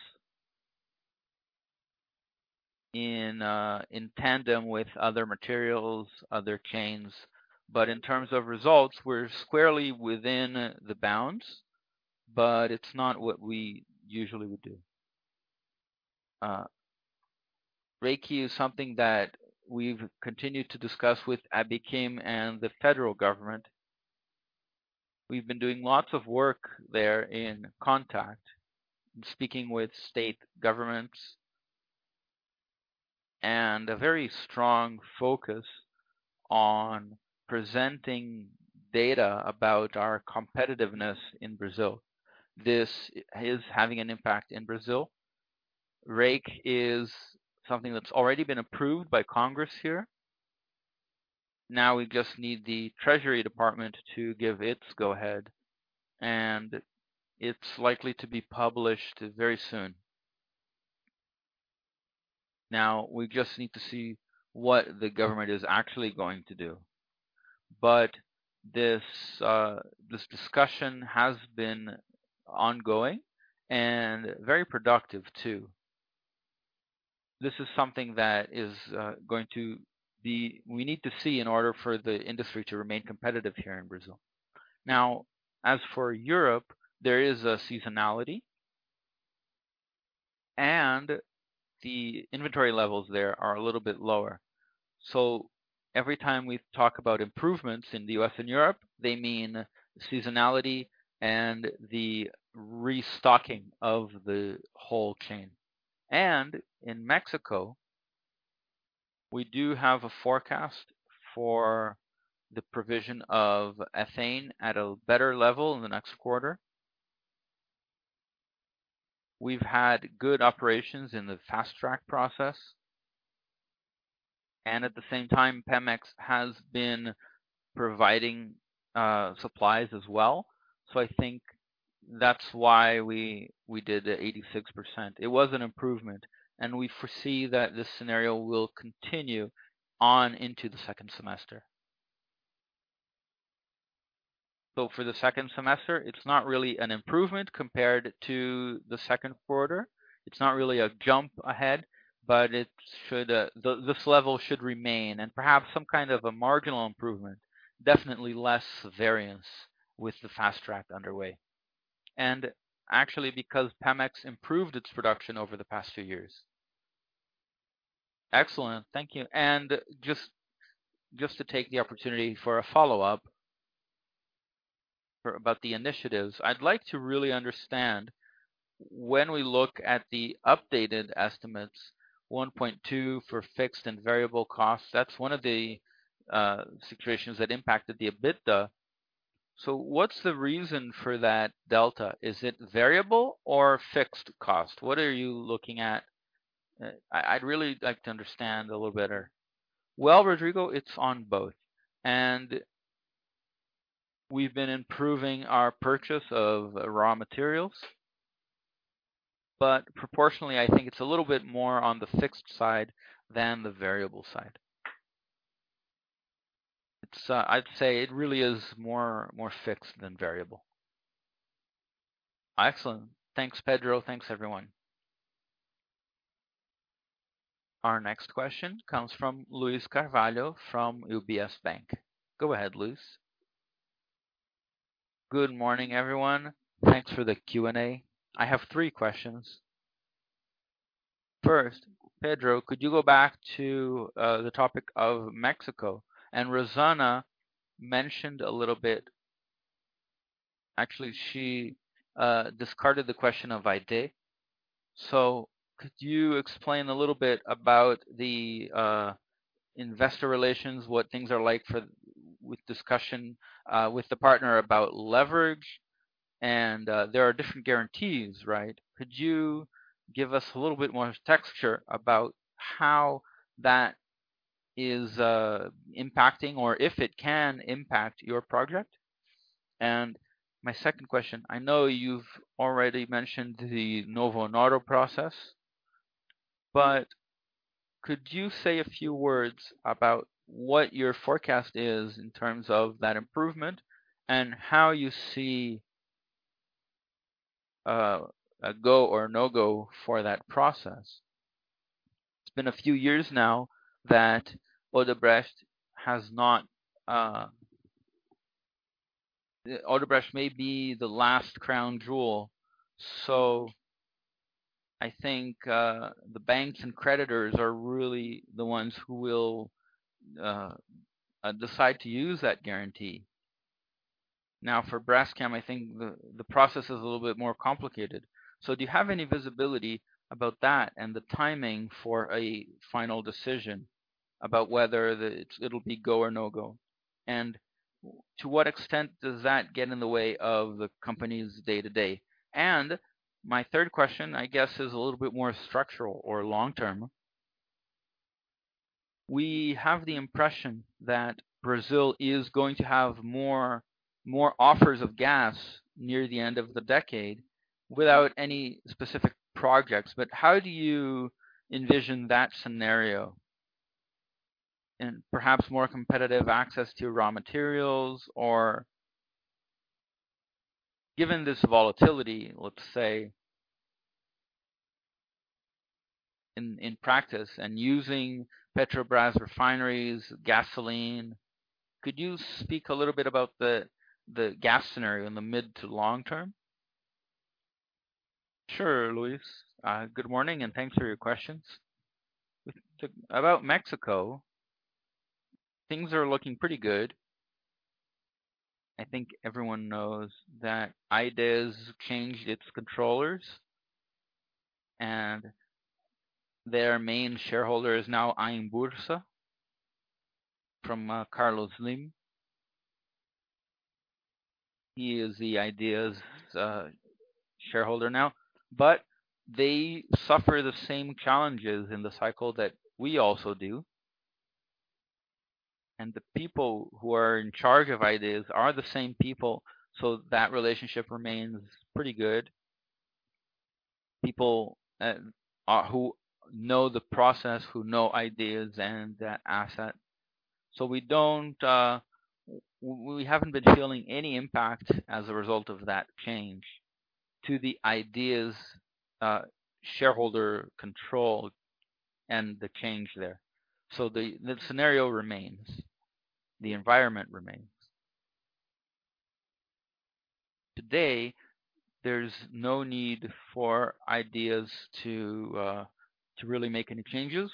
in tandem with other materials, other chains. In terms of results, we're squarely within the bounds, but it's not what we usually would do. REIQ is something that we've continued to discuss with Abiquim and the federal government. We've been doing lots of work there in contact and speaking with state governments. A very strong focus on presenting data about our competitiveness in Brazil. This is having an impact in Brazil. REIQ is something that's already been approved by Congress here. We just need the Treasury Department to give its go-ahead, and it's likely to be published very soon. We just need to see what the government is actually going to do. This, this discussion has been ongoing and very productive, too. This is something that is going to be... We need to see in order for the industry to remain competitive here in Brazil. As for Europe, there is a seasonality, and the inventory levels there are a little bit lower. Every time we talk about improvements in the U.S. and Europe, they mean seasonality and the restocking of the whole chain. In Mexico, we do have a forecast for the provision of ethane at a better level in the next quarter. We've had good operations in the fast track process, and at the same time, Pemex has been providing supplies as well. I think that's why we, we did the 86%. It was an improvement, and we foresee that this scenario will continue on into the second semester. For the second semester, it's not really an improvement compared to the second quarter. It's not really a jump ahead, but it should. This level should remain and perhaps some kind of a marginal improvement, definitely less variance with the fast track underway, and actually because Pemex improved its production over the past few years. Excellent. Thank you. Just, just to take the opportunity for a follow-up about the initiatives. I'd like to really understand, when we look at the updated estimates, 1.2 for fixed and variable costs, that's one of the situations that impacted the EBITDA. What's the reason for that delta? Is it variable or fixed cost? What are you looking at? I, I'd really like to understand a little better. Well, Rodrigo, it's on both, and we've been improving our purchase of raw materials, but proportionally, I think it's a little bit more on the fixed side than the variable side. It's, I'd say it really is more, more fixed than variable. Excellent. Thanks, Pedro. Thanks, everyone. Our next question comes from Luiz Carvalho from UBS Bank. Go ahead, Luiz. Good morning, everyone. Thanks for the Q&A. I have three questions. First, Pedro, could you go back to the topic of Mexico? Rosana mentioned a little bit. Actually, she discarded the question of IDE. Could you explain a little bit about the investor relations, what things are like for, with discussion, with the partner about leverage? There are different guarantees, right? Could you give us a little bit more texture about how that is impacting or if it can impact your project? My second question, I know you've already mentioned the Novonor process, but could you say a few words about what your forecast is in terms of that improvement and how you see a go or no-go for that process? It's been a few years now that Odebrecht has not. Odebrecht may be the last crown jewel. I think the banks and creditors are really the ones who will decide to use that guarantee. For Braskem, I think the process is a little bit more complicated. Do you have any visibility about that and the timing for a final decision about whether it'll be go or no-go? To what extent does that get in the way of the company's day-to-day? My third question, I guess, is a little bit more structural or long-term. We have the impression that Brazil is going to have more, more offers of gas near the end of the decade without any specific projects. How do you envision that scenario? Perhaps more competitive access to raw materials or given this volatility, let's say, in, in practice and using Petrobras refineries, gasoline, could you speak a little bit about the gas scenario in the mid to long term? Sure, Luiz. Good morning, and thanks for your questions. About Mexico, things are looking pretty good. I think everyone knows that Idesa changed its controllers, and their main shareholder is now Inbursa from Carlos Slim. He is the Idesa shareholder now. They suffer the same challenges in the cycle that we also do, and the people who are in charge of Idesa are the same people, so that relationship remains pretty good. People who know the process, who know Idesa and that asset. We don't, we haven't been feeling any impact as a result of that change to the Idesa's shareholder control and the change there. The, the scenario remains, the environment remains. Today, there's no need for Idesa to really make any changes.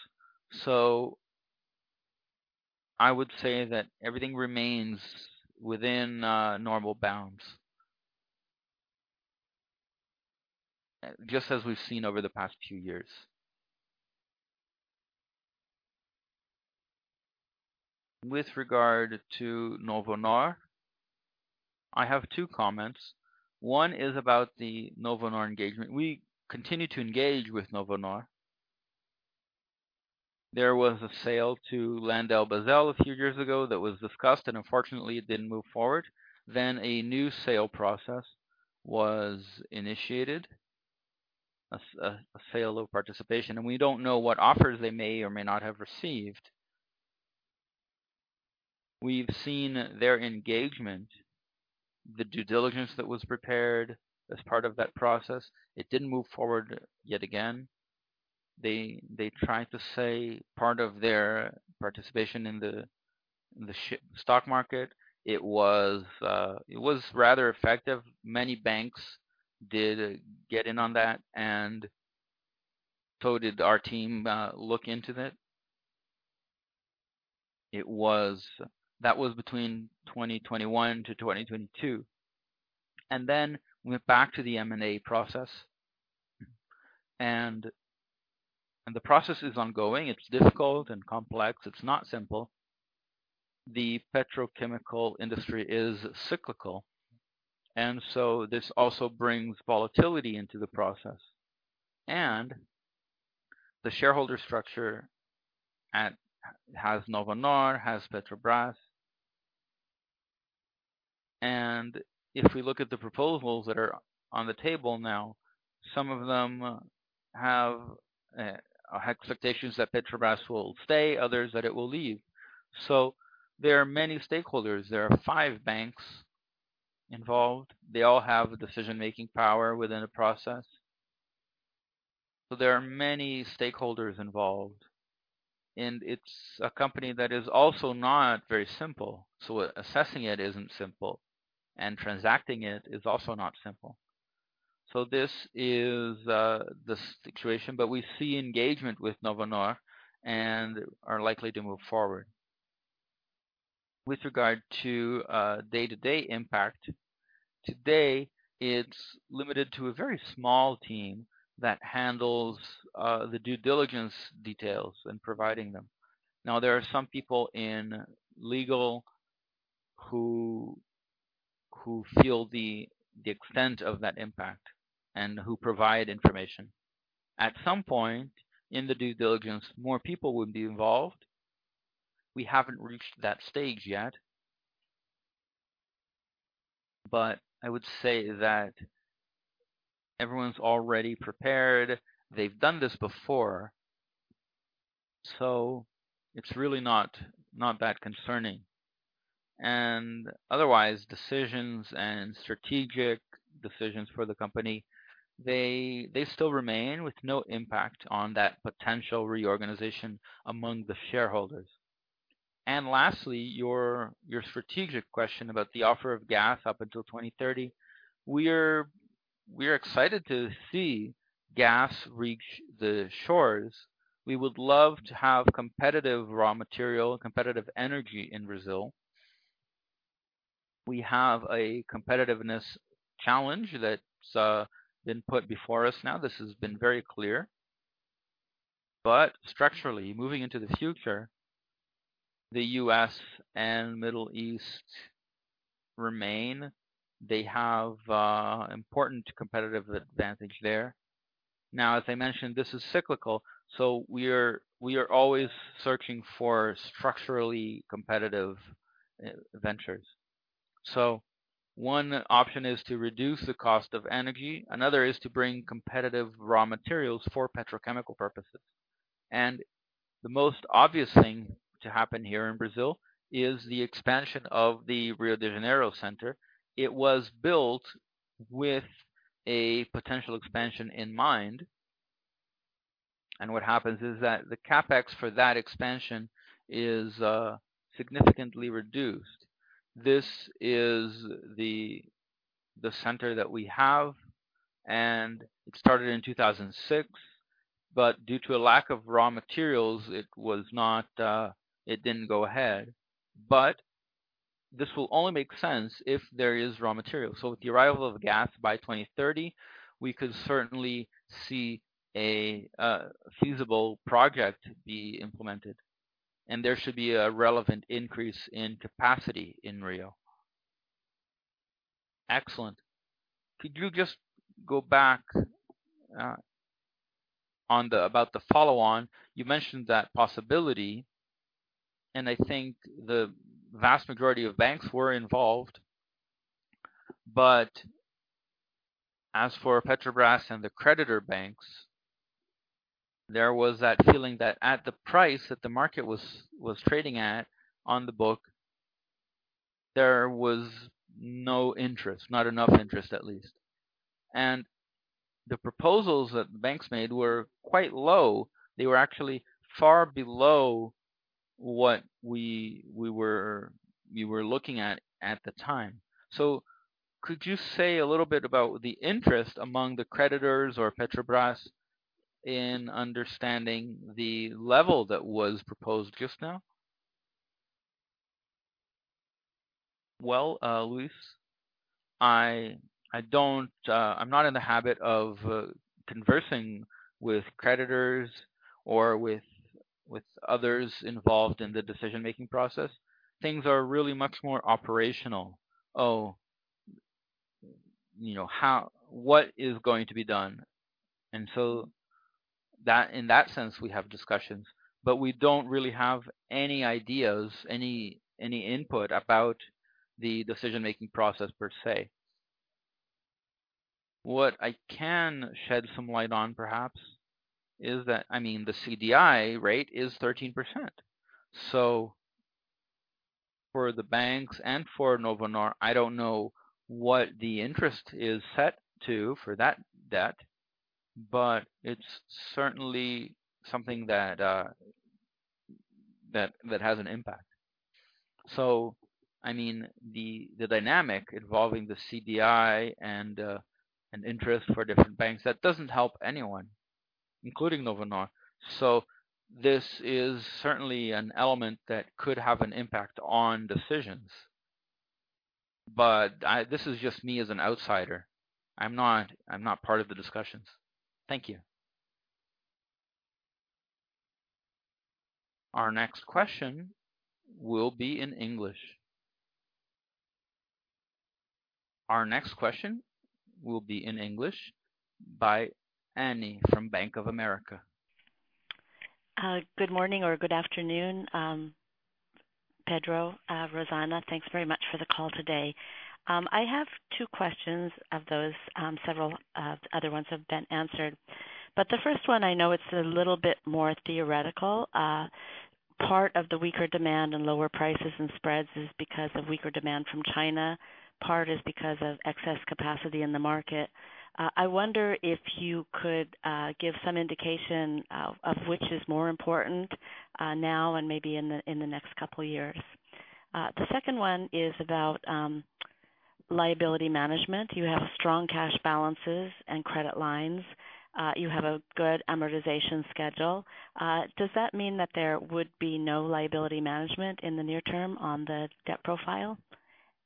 I would say that everything remains within normal bounds, just as we've seen over the past few years. With regard to Novonor, I have two comments. One is about the Novonor engagement. We continue to engage with Novonor. There was a sale to LyondellBasell a few years ago that was discussed, and unfortunately, it didn't move forward. A new sale process was initiated, a sale of participation, and we don't know what offers they may or may not have received. We've seen their engagement, the due diligence that was prepared as part of that process. It didn't move forward, yet again. They, they tried to say part of their participation in the stock market. It was, it was rather effective. Many banks did get in on that, and so did our team look into it. That was between 2021-2022, and then went back to the M&A process. The process is ongoing. It's difficult and complex. It's not simple. The petrochemical industry is cyclical, so this also brings volatility into the process. The shareholder structure has Novonor, has Petrobras. If we look at the proposals that are on the table now, some of them have expectations that Petrobras will stay, others, that it will leave. There are many stakeholders. There are five banks involved. They all have decision-making power within the process. There are many stakeholders involved, and it's a company that is also not very simple. Assessing it isn't simple, and transacting it is also not simple. This is the situation, but we see engagement with Novonor and are likely to move forward. With regard to day-to-day impact, today, it's limited to a very small team that handles the due diligence details and providing them. Now, there are some people in legal who, who feel the, the extent of that impact and who provide information. At some point in the due diligence, more people would be involved. We haven't reached that stage yet, but I would say that everyone's already prepared. They've done this before, so it's really not, not that concerning. Otherwise, decisions and strategic decisions for the company, they, they still remain with no impact on that potential reorganization among the shareholders. Lastly, your, your strategic question about the offer of gas up until 2030. We're, we're excited to see gas reach the shores. We would love to have competitive raw material, competitive energy in Brazil. We have a competitiveness challenge that's been put before us now. This has been very clear. Structurally, moving into the future, the U.S. and Middle East remain. They have important competitive advantage there. As I mentioned, this is cyclical, we are, we are always searching for structurally competitive ventures. One option is to reduce the cost of energy. Another is to bring competitive raw materials for petrochemical purposes. The most obvious thing to happen here in Brazil is the expansion of the Rio de Janeiro Center. It was built with a potential expansion in mind. What happens is that the CapEx for that expansion is significantly reduced. This is the center that we have. It started in 2006, but due to a lack of raw materials, it was not, it didn't go ahead. This will only make sense if there is raw material. With the arrival of gas by 2030, we could certainly see a feasible project be implemented, and there should be a relevant increase in capacity in Rio. Excellent. Could you just go back about the follow-on? You mentioned that possibility. I think the vast majority of banks were involved. As for Petrobras and the creditor banks, there was that feeling that at the price that the market was, was trading at on the book, there was no interest, not enough interest at least. The proposals that the banks made were quite low. They were actually far below what we, we were, we were looking at, at the time. Could you say a little bit about the interest among the creditors or Petrobras in understanding the level that was proposed just now? Well, Luiz, I, I don't, I'm not in the habit of conversing with creditors or with, with others involved in the decision-making process. Things are really much more operational. Oh, you know, how. What is going to be done? That, in that sense, we have discussions, but we don't really have any ideas, any, any input about the decision-making process per se. What I can shed some light on perhaps is that, I mean, the CDI rate is 13%. For the banks and for Novonor, I don't know what the interest is set to for that debt, but it's certainly something that, that, that has an impact. I mean, the, the dynamic involving the CDI and, and interest for different banks, that doesn't help anyone, including Novonor. This is certainly an element that could have an impact on decisions. This is just me as an outsider. I'm not, I'm not part of the discussions. Thank you. Our next question will be in English. Our next question will be in English by Annie from Bank of America. Good morning or good afternoon, Pedro, Rosana. Thanks very much for the call today. I have two questions of those, several other ones have been answered. The first one, I know it's a little bit more theoretical. Part of the weaker demand and lower prices and spreads is because of weaker demand from China, part is because of excess capacity in the market. I wonder if you could give some indication of which is more important now and maybe in the next couple of years. The second one is about liability management. You have strong cash balances and credit lines. You have a good amortization schedule. Does that mean that there would be no liability management in the near term on the debt profile?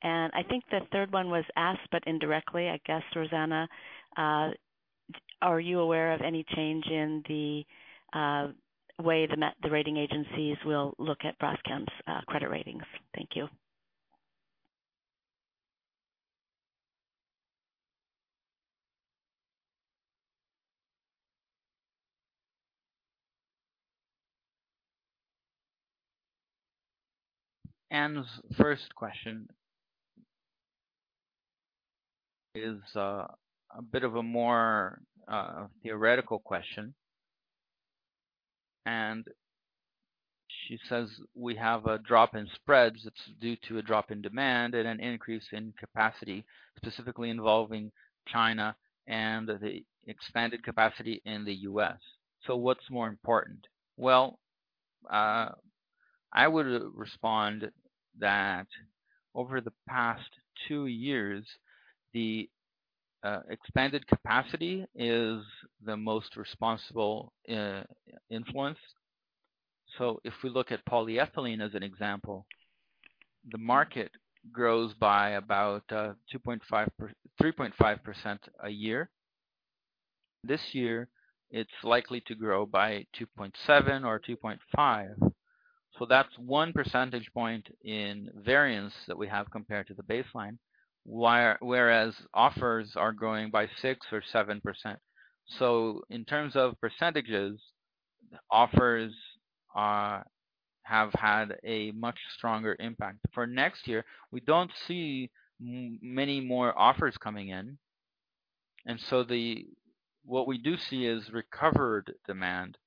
I think the third one was asked, but indirectly, I guess, Rosana. Are you aware of any change in the way the rating agencies will look at Braskem's credit ratings? Thank you. Anne's first question is a bit of a more theoretical question, and she says we have a drop in spreads that's due to a drop in demand and an increase in capacity, specifically involving China and the expanded capacity in the U.S. What's more important? I would respond that over the past two years, the expanded capacity is the most responsible influence. If we look at polyethylene as an example, the market grows by about 2.5%, 3.5% a year. This year, it's likely to grow by 2.7% or 2.5%. That's one percentage point in variance that we have compared to the baseline, whereas offers are growing by 6% or 7%. In terms of percentages, offers have had a much stronger impact. For next year, we don't see many more offers coming in. What we do see is recovered demand.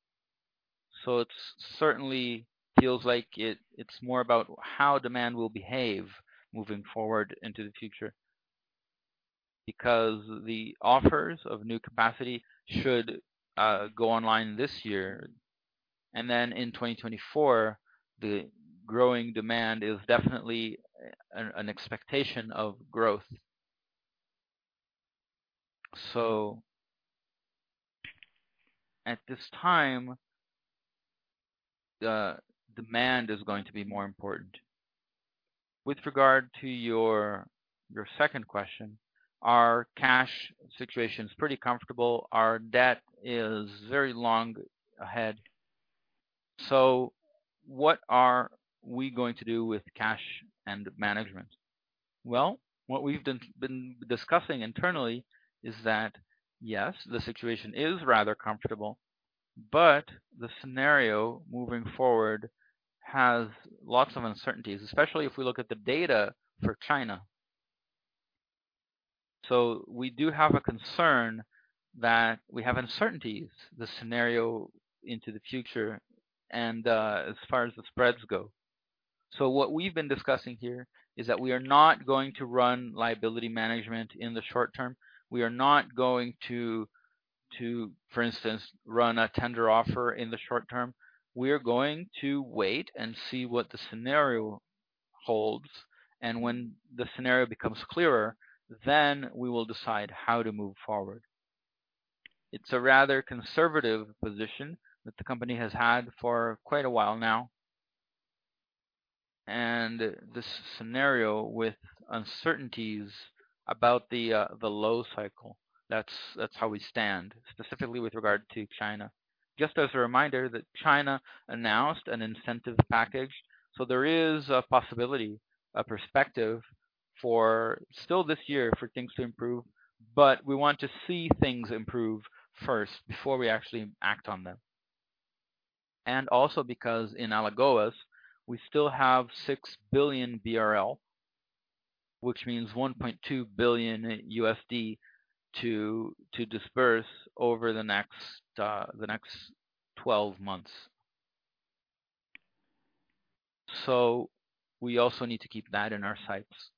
It's certainly feels like it, it's more about how demand will behave moving forward into the future, because the offers of new capacity should go online this year. Then in 2024, the growing demand is definitely an expectation of growth. At this time, the demand is going to be more important. With regard to your second question, our cash situation is pretty comfortable. Our debt is very long ahead. What are we going to do with cash and management? Well, what we've been discussing internally is that, yes, the situation is rather comfortable, but the scenario moving forward has lots of uncertainties, especially if we look at the data for China. We do have a concern that we have uncertainties, the scenario into the future and as far as the spreads go. What we've been discussing here is that we are not going to run liability management in the short term. We are not going to, for instance, run a tender offer in the short term. We are going to wait and see what the scenario holds, and when the scenario becomes clearer, then we will decide how to move forward. It's a rather conservative position that the company has had for quite a while now. This scenario with uncertainties about the low cycle, that's, that's how we stand, specifically with regard to China. Just as a reminder that China announced an incentive package, so there is a possibility, a perspective for still this year for things to improve, but we want to see things improve first before we actually act on them. Also because in Alagoas, we still have 6 billion BRL, which means $1.2 billion, to disperse over the next 12 months. We also need to keep that in our sights.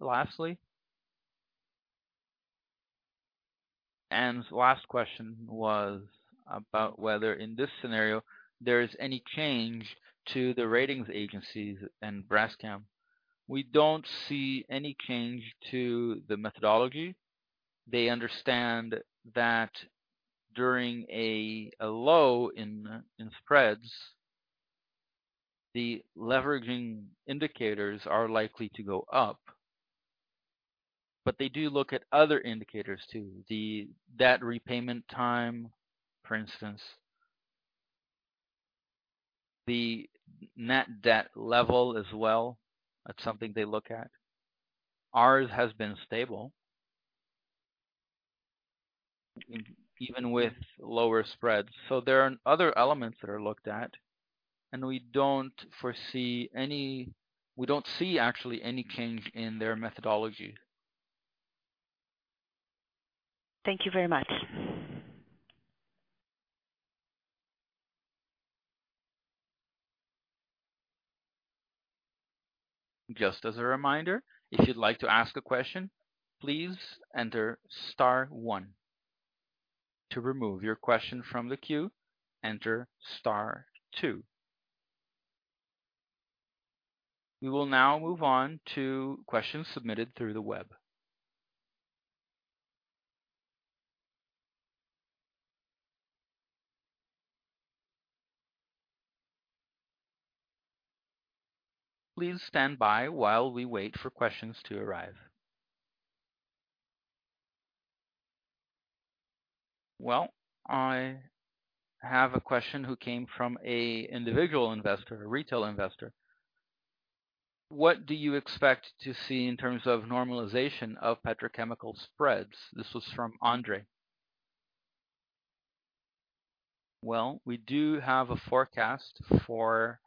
Lastly, Anne's last question was about whether in this scenario there is any change to the ratings agencies and Braskem. We don't see any change to the methodology. They understand that during a low in spreads, the leveraging indicators are likely to go up. They do look at other indicators too, the debt repayment time, for instance, the net debt level as well. That's something they look at. Ours has been stable, even with lower spreads. There are other elements that are looked at, and we don't foresee any – we don't see actually any change in their methodology. Thank you very much. Just as a reminder, if you'd like to ask a question, please enter star one. To remove your question from the queue, enter star two. We will now move on to questions submitted through the web. Please stand by while we wait for questions to arrive. Well, I have a question who came from a individual investor, a retail investor. What do you expect to see in terms of normalization of petrochemical spreads? This was from Andre. Well, we do have a forecast for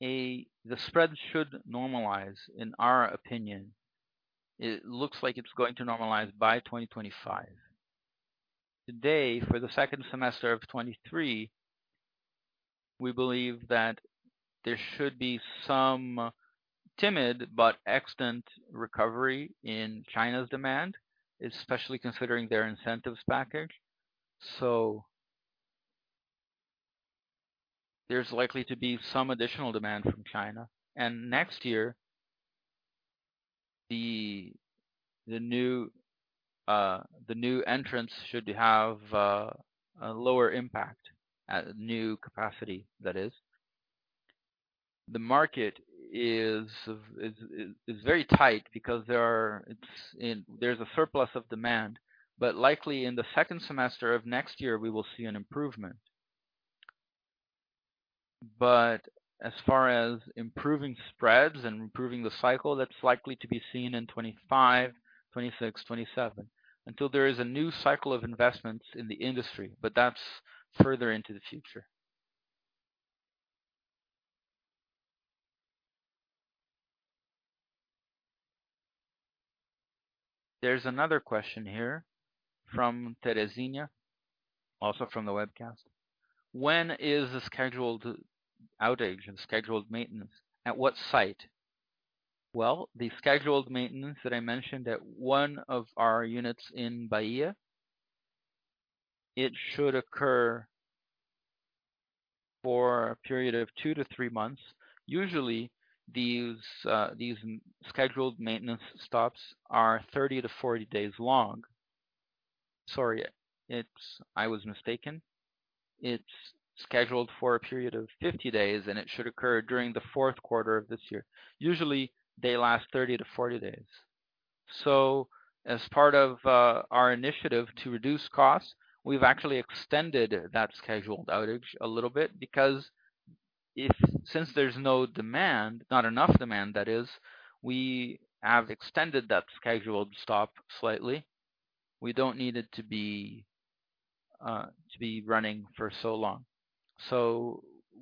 the spread should normalize, in our opinion, it looks like it's going to normalize by 2025. Today, for the second semester of 2023, we believe that there should be some timid but extant recovery in China's demand, especially considering their incentives package. There's likely to be some additional demand from China. Next year, the, the new, the new entrants should have a lower impact at new capacity, that is. The market is – is very tight because there are. It's, there's a surplus of demand, but likely in the second semester of next year, we will see an improvement. As far as improving spreads and improving the cycle, that's likely to be seen in 2025, 2026, 2027, until there is a new cycle of investments in the industry, but that's further into the future. There's another question here from Teresina. Also from the webcast. When is the scheduled outage and scheduled maintenance? At what site? Well, the scheduled maintenance that I mentioned at one of our units in Bahia, it should occur for a period of 2-3 months. Usually, these, these scheduled maintenance stops are 30-40 days long. Sorry, it's I was mistaken. It's scheduled for a period of 50 days, and it should occur during the fourth quarter of this year. Usually, they last 30-40 days. As part of our initiative to reduce costs, we've actually extended that scheduled outage a little bit because if – since there's no demand, not enough demand, that is, we have extended that scheduled stop slightly. We don't need it to be to be running for so long.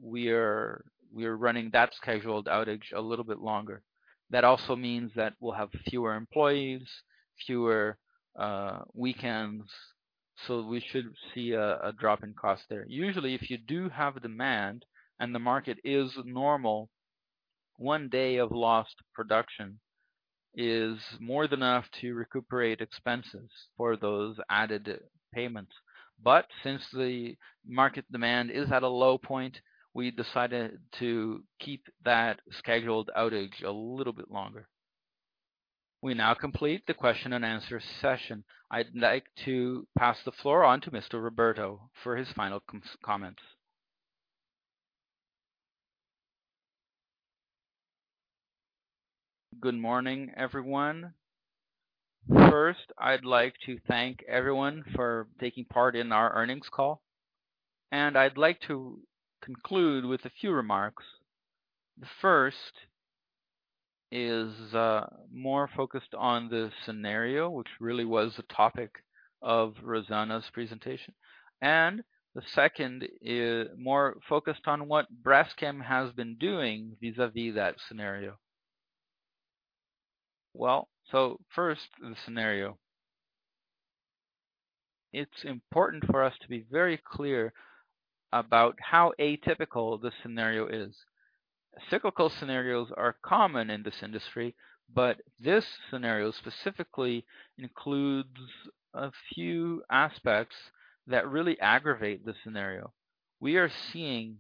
We're, we're running that scheduled outage a little bit longer. That also means that we'll have fewer employees, fewer weekends, so we should see a, a drop in cost there. Usually, if you do have demand and the market is normal, 1 day of lost production is more than enough to recuperate expenses for those added payments. Since the market demand is at a low point, we decided to keep that scheduled outage a little bit longer. We now complete the question and answer session. I'd like to pass the floor on to Mr. Roberto for his final comment. Good morning, everyone. First, I'd like to thank everyone for taking part in our earnings call, and I'd like to conclude with a few remarks. The first is more focused on the scenario, which really was the topic of Rosana's presentation, and the second is more focused on what Braskem has been doing vis-a-vis that scenario. First, the scenario. It's important for us to be very clear about how atypical the scenario is. Cyclical scenarios are common in this industry, but this scenario specifically includes a few aspects that really aggravate the scenario. We are seeing.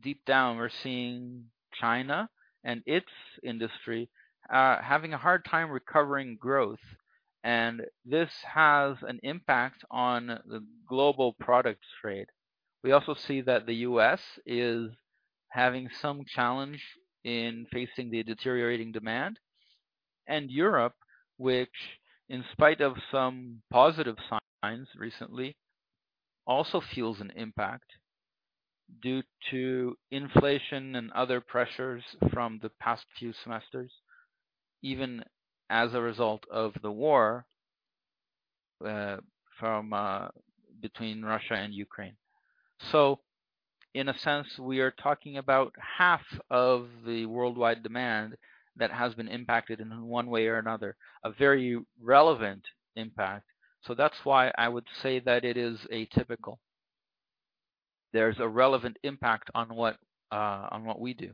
Deep down, we're seeing China and its industry having a hard time recovering growth, and this has an impact on the global product trade. We also see that the U.S. is having some challenge in facing the deteriorating demand. Europe, which in spite of some positive signs recently, also feels an impact due to inflation and other pressures from the past few semesters, even as a result of the war from between Russia and Ukraine. In a sense, we are talking about half of the worldwide demand that has been impacted in one way or another, a very relevant impact. That's why I would say that it is atypical. There's a relevant impact on what on what we do.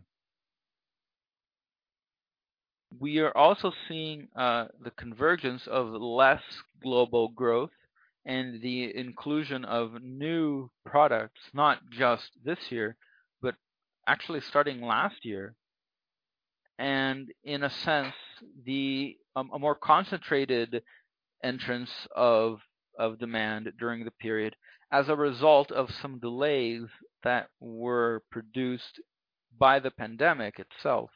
We are also seeing the convergence of less global growth and the inclusion of new products, not just this year, but actually starting last year. In a sense, a more concentrated entrance of, of demand during the period, as a result of some delays that were produced by the pandemic itself,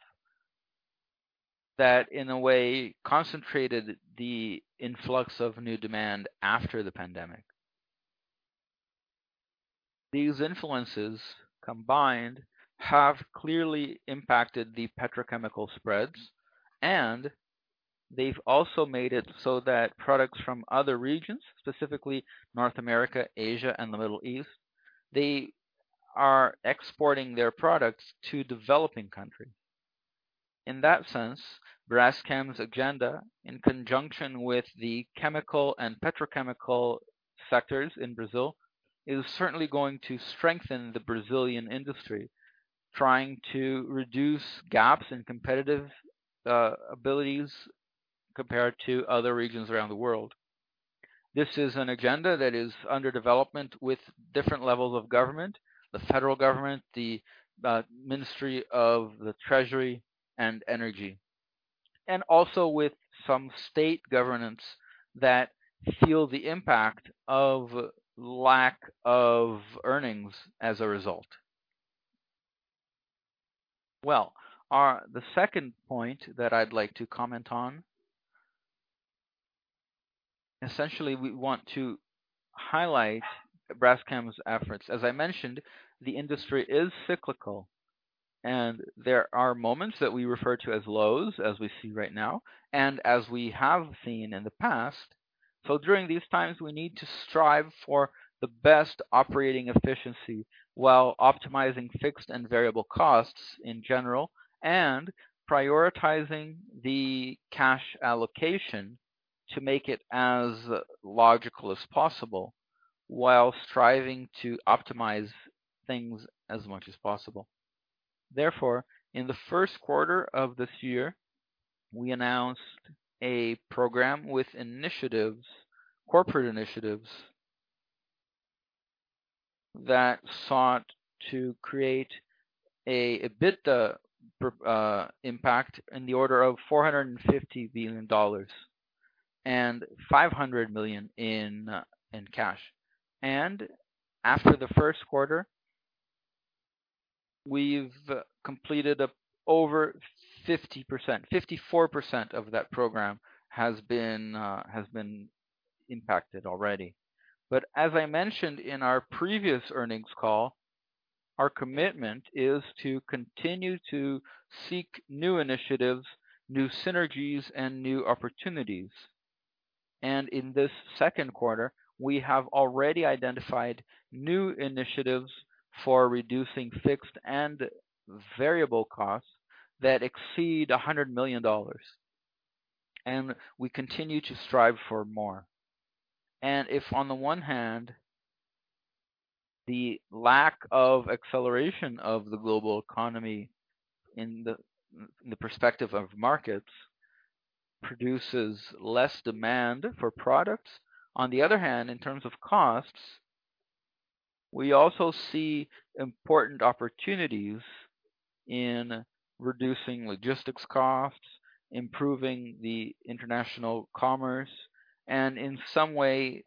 that in a way, concentrated the influx of new demand after the pandemic. These influences combined, have clearly impacted the petrochemical spreads, and they've also made it so that products from other regions, specifically North America, Asia and the Middle East, they are exporting their products to developing countries. In that sense, Braskem's agenda, in conjunction with the chemical and petrochemical sectors in Brazil, is certainly going to strengthen the Brazilian industry, trying to reduce gaps in competitive abilities compared to other regions around the world. This is an agenda that is under development with different levels of government, the federal government, the Ministry of the Treasury and Energy, and also with some state governance that feel the impact of lack of earnings as a result. Well, the second point that I'd like to comment on, essentially, we want to highlight Braskem's efforts. As I mentioned, the industry is cyclical, and there are moments that we refer to as lows, as we see right now, and as we have seen in the past. During these times, we need to strive for the best operating efficiency while optimizing fixed and variable costs in general, and prioritizing the cash allocation to make it as logical as possible, while striving to optimize things as much as possible. Therefore, in the first quarter of this year, we announced a program with initiatives, corporate initiatives, that sought to create a EBITDA impact in the order of $450 billion and $500 million in cash. After the first quarter, we've completed over 50%, 54% of that program has been impacted already. As I mentioned in our previous earnings call, our commitment is to continue to seek new initiatives, new synergies, and new opportunities. In this second quarter, we have already identified new initiatives for reducing fixed and variable costs that exceed $100 million, and we continue to strive for more. If on the one hand, the lack of acceleration of the global economy in the, in the perspective of markets produces less demand for products, on the other hand, in terms of costs, we also see important opportunities in reducing logistics costs, improving the international commerce, and in some way,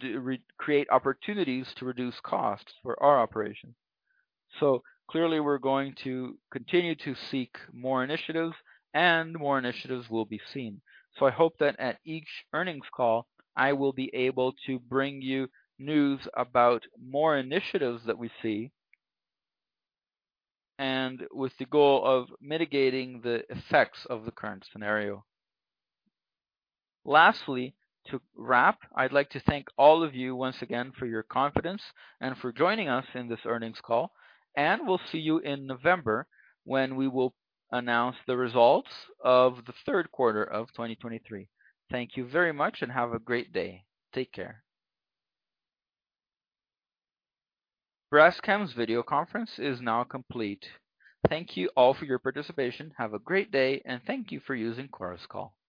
re-create opportunities to reduce costs for our operations. Clearly, we're going to continue to seek more initiatives, and more initiatives will be seen. I hope that at each earnings call, I will be able to bring you news about more initiatives that we see, and with the goal of mitigating the effects of the current scenario. Lastly, to wrap, I'd like to thank all of you once again for your confidence and for joining us in this earnings call. We'll see you in November when we will announce the results of the third quarter of 2023. Thank you very much and have a great day. Take care. Braskem's video conference is now complete. Thank you all for your participation. Have a great day, and thank you for using Chorus Call.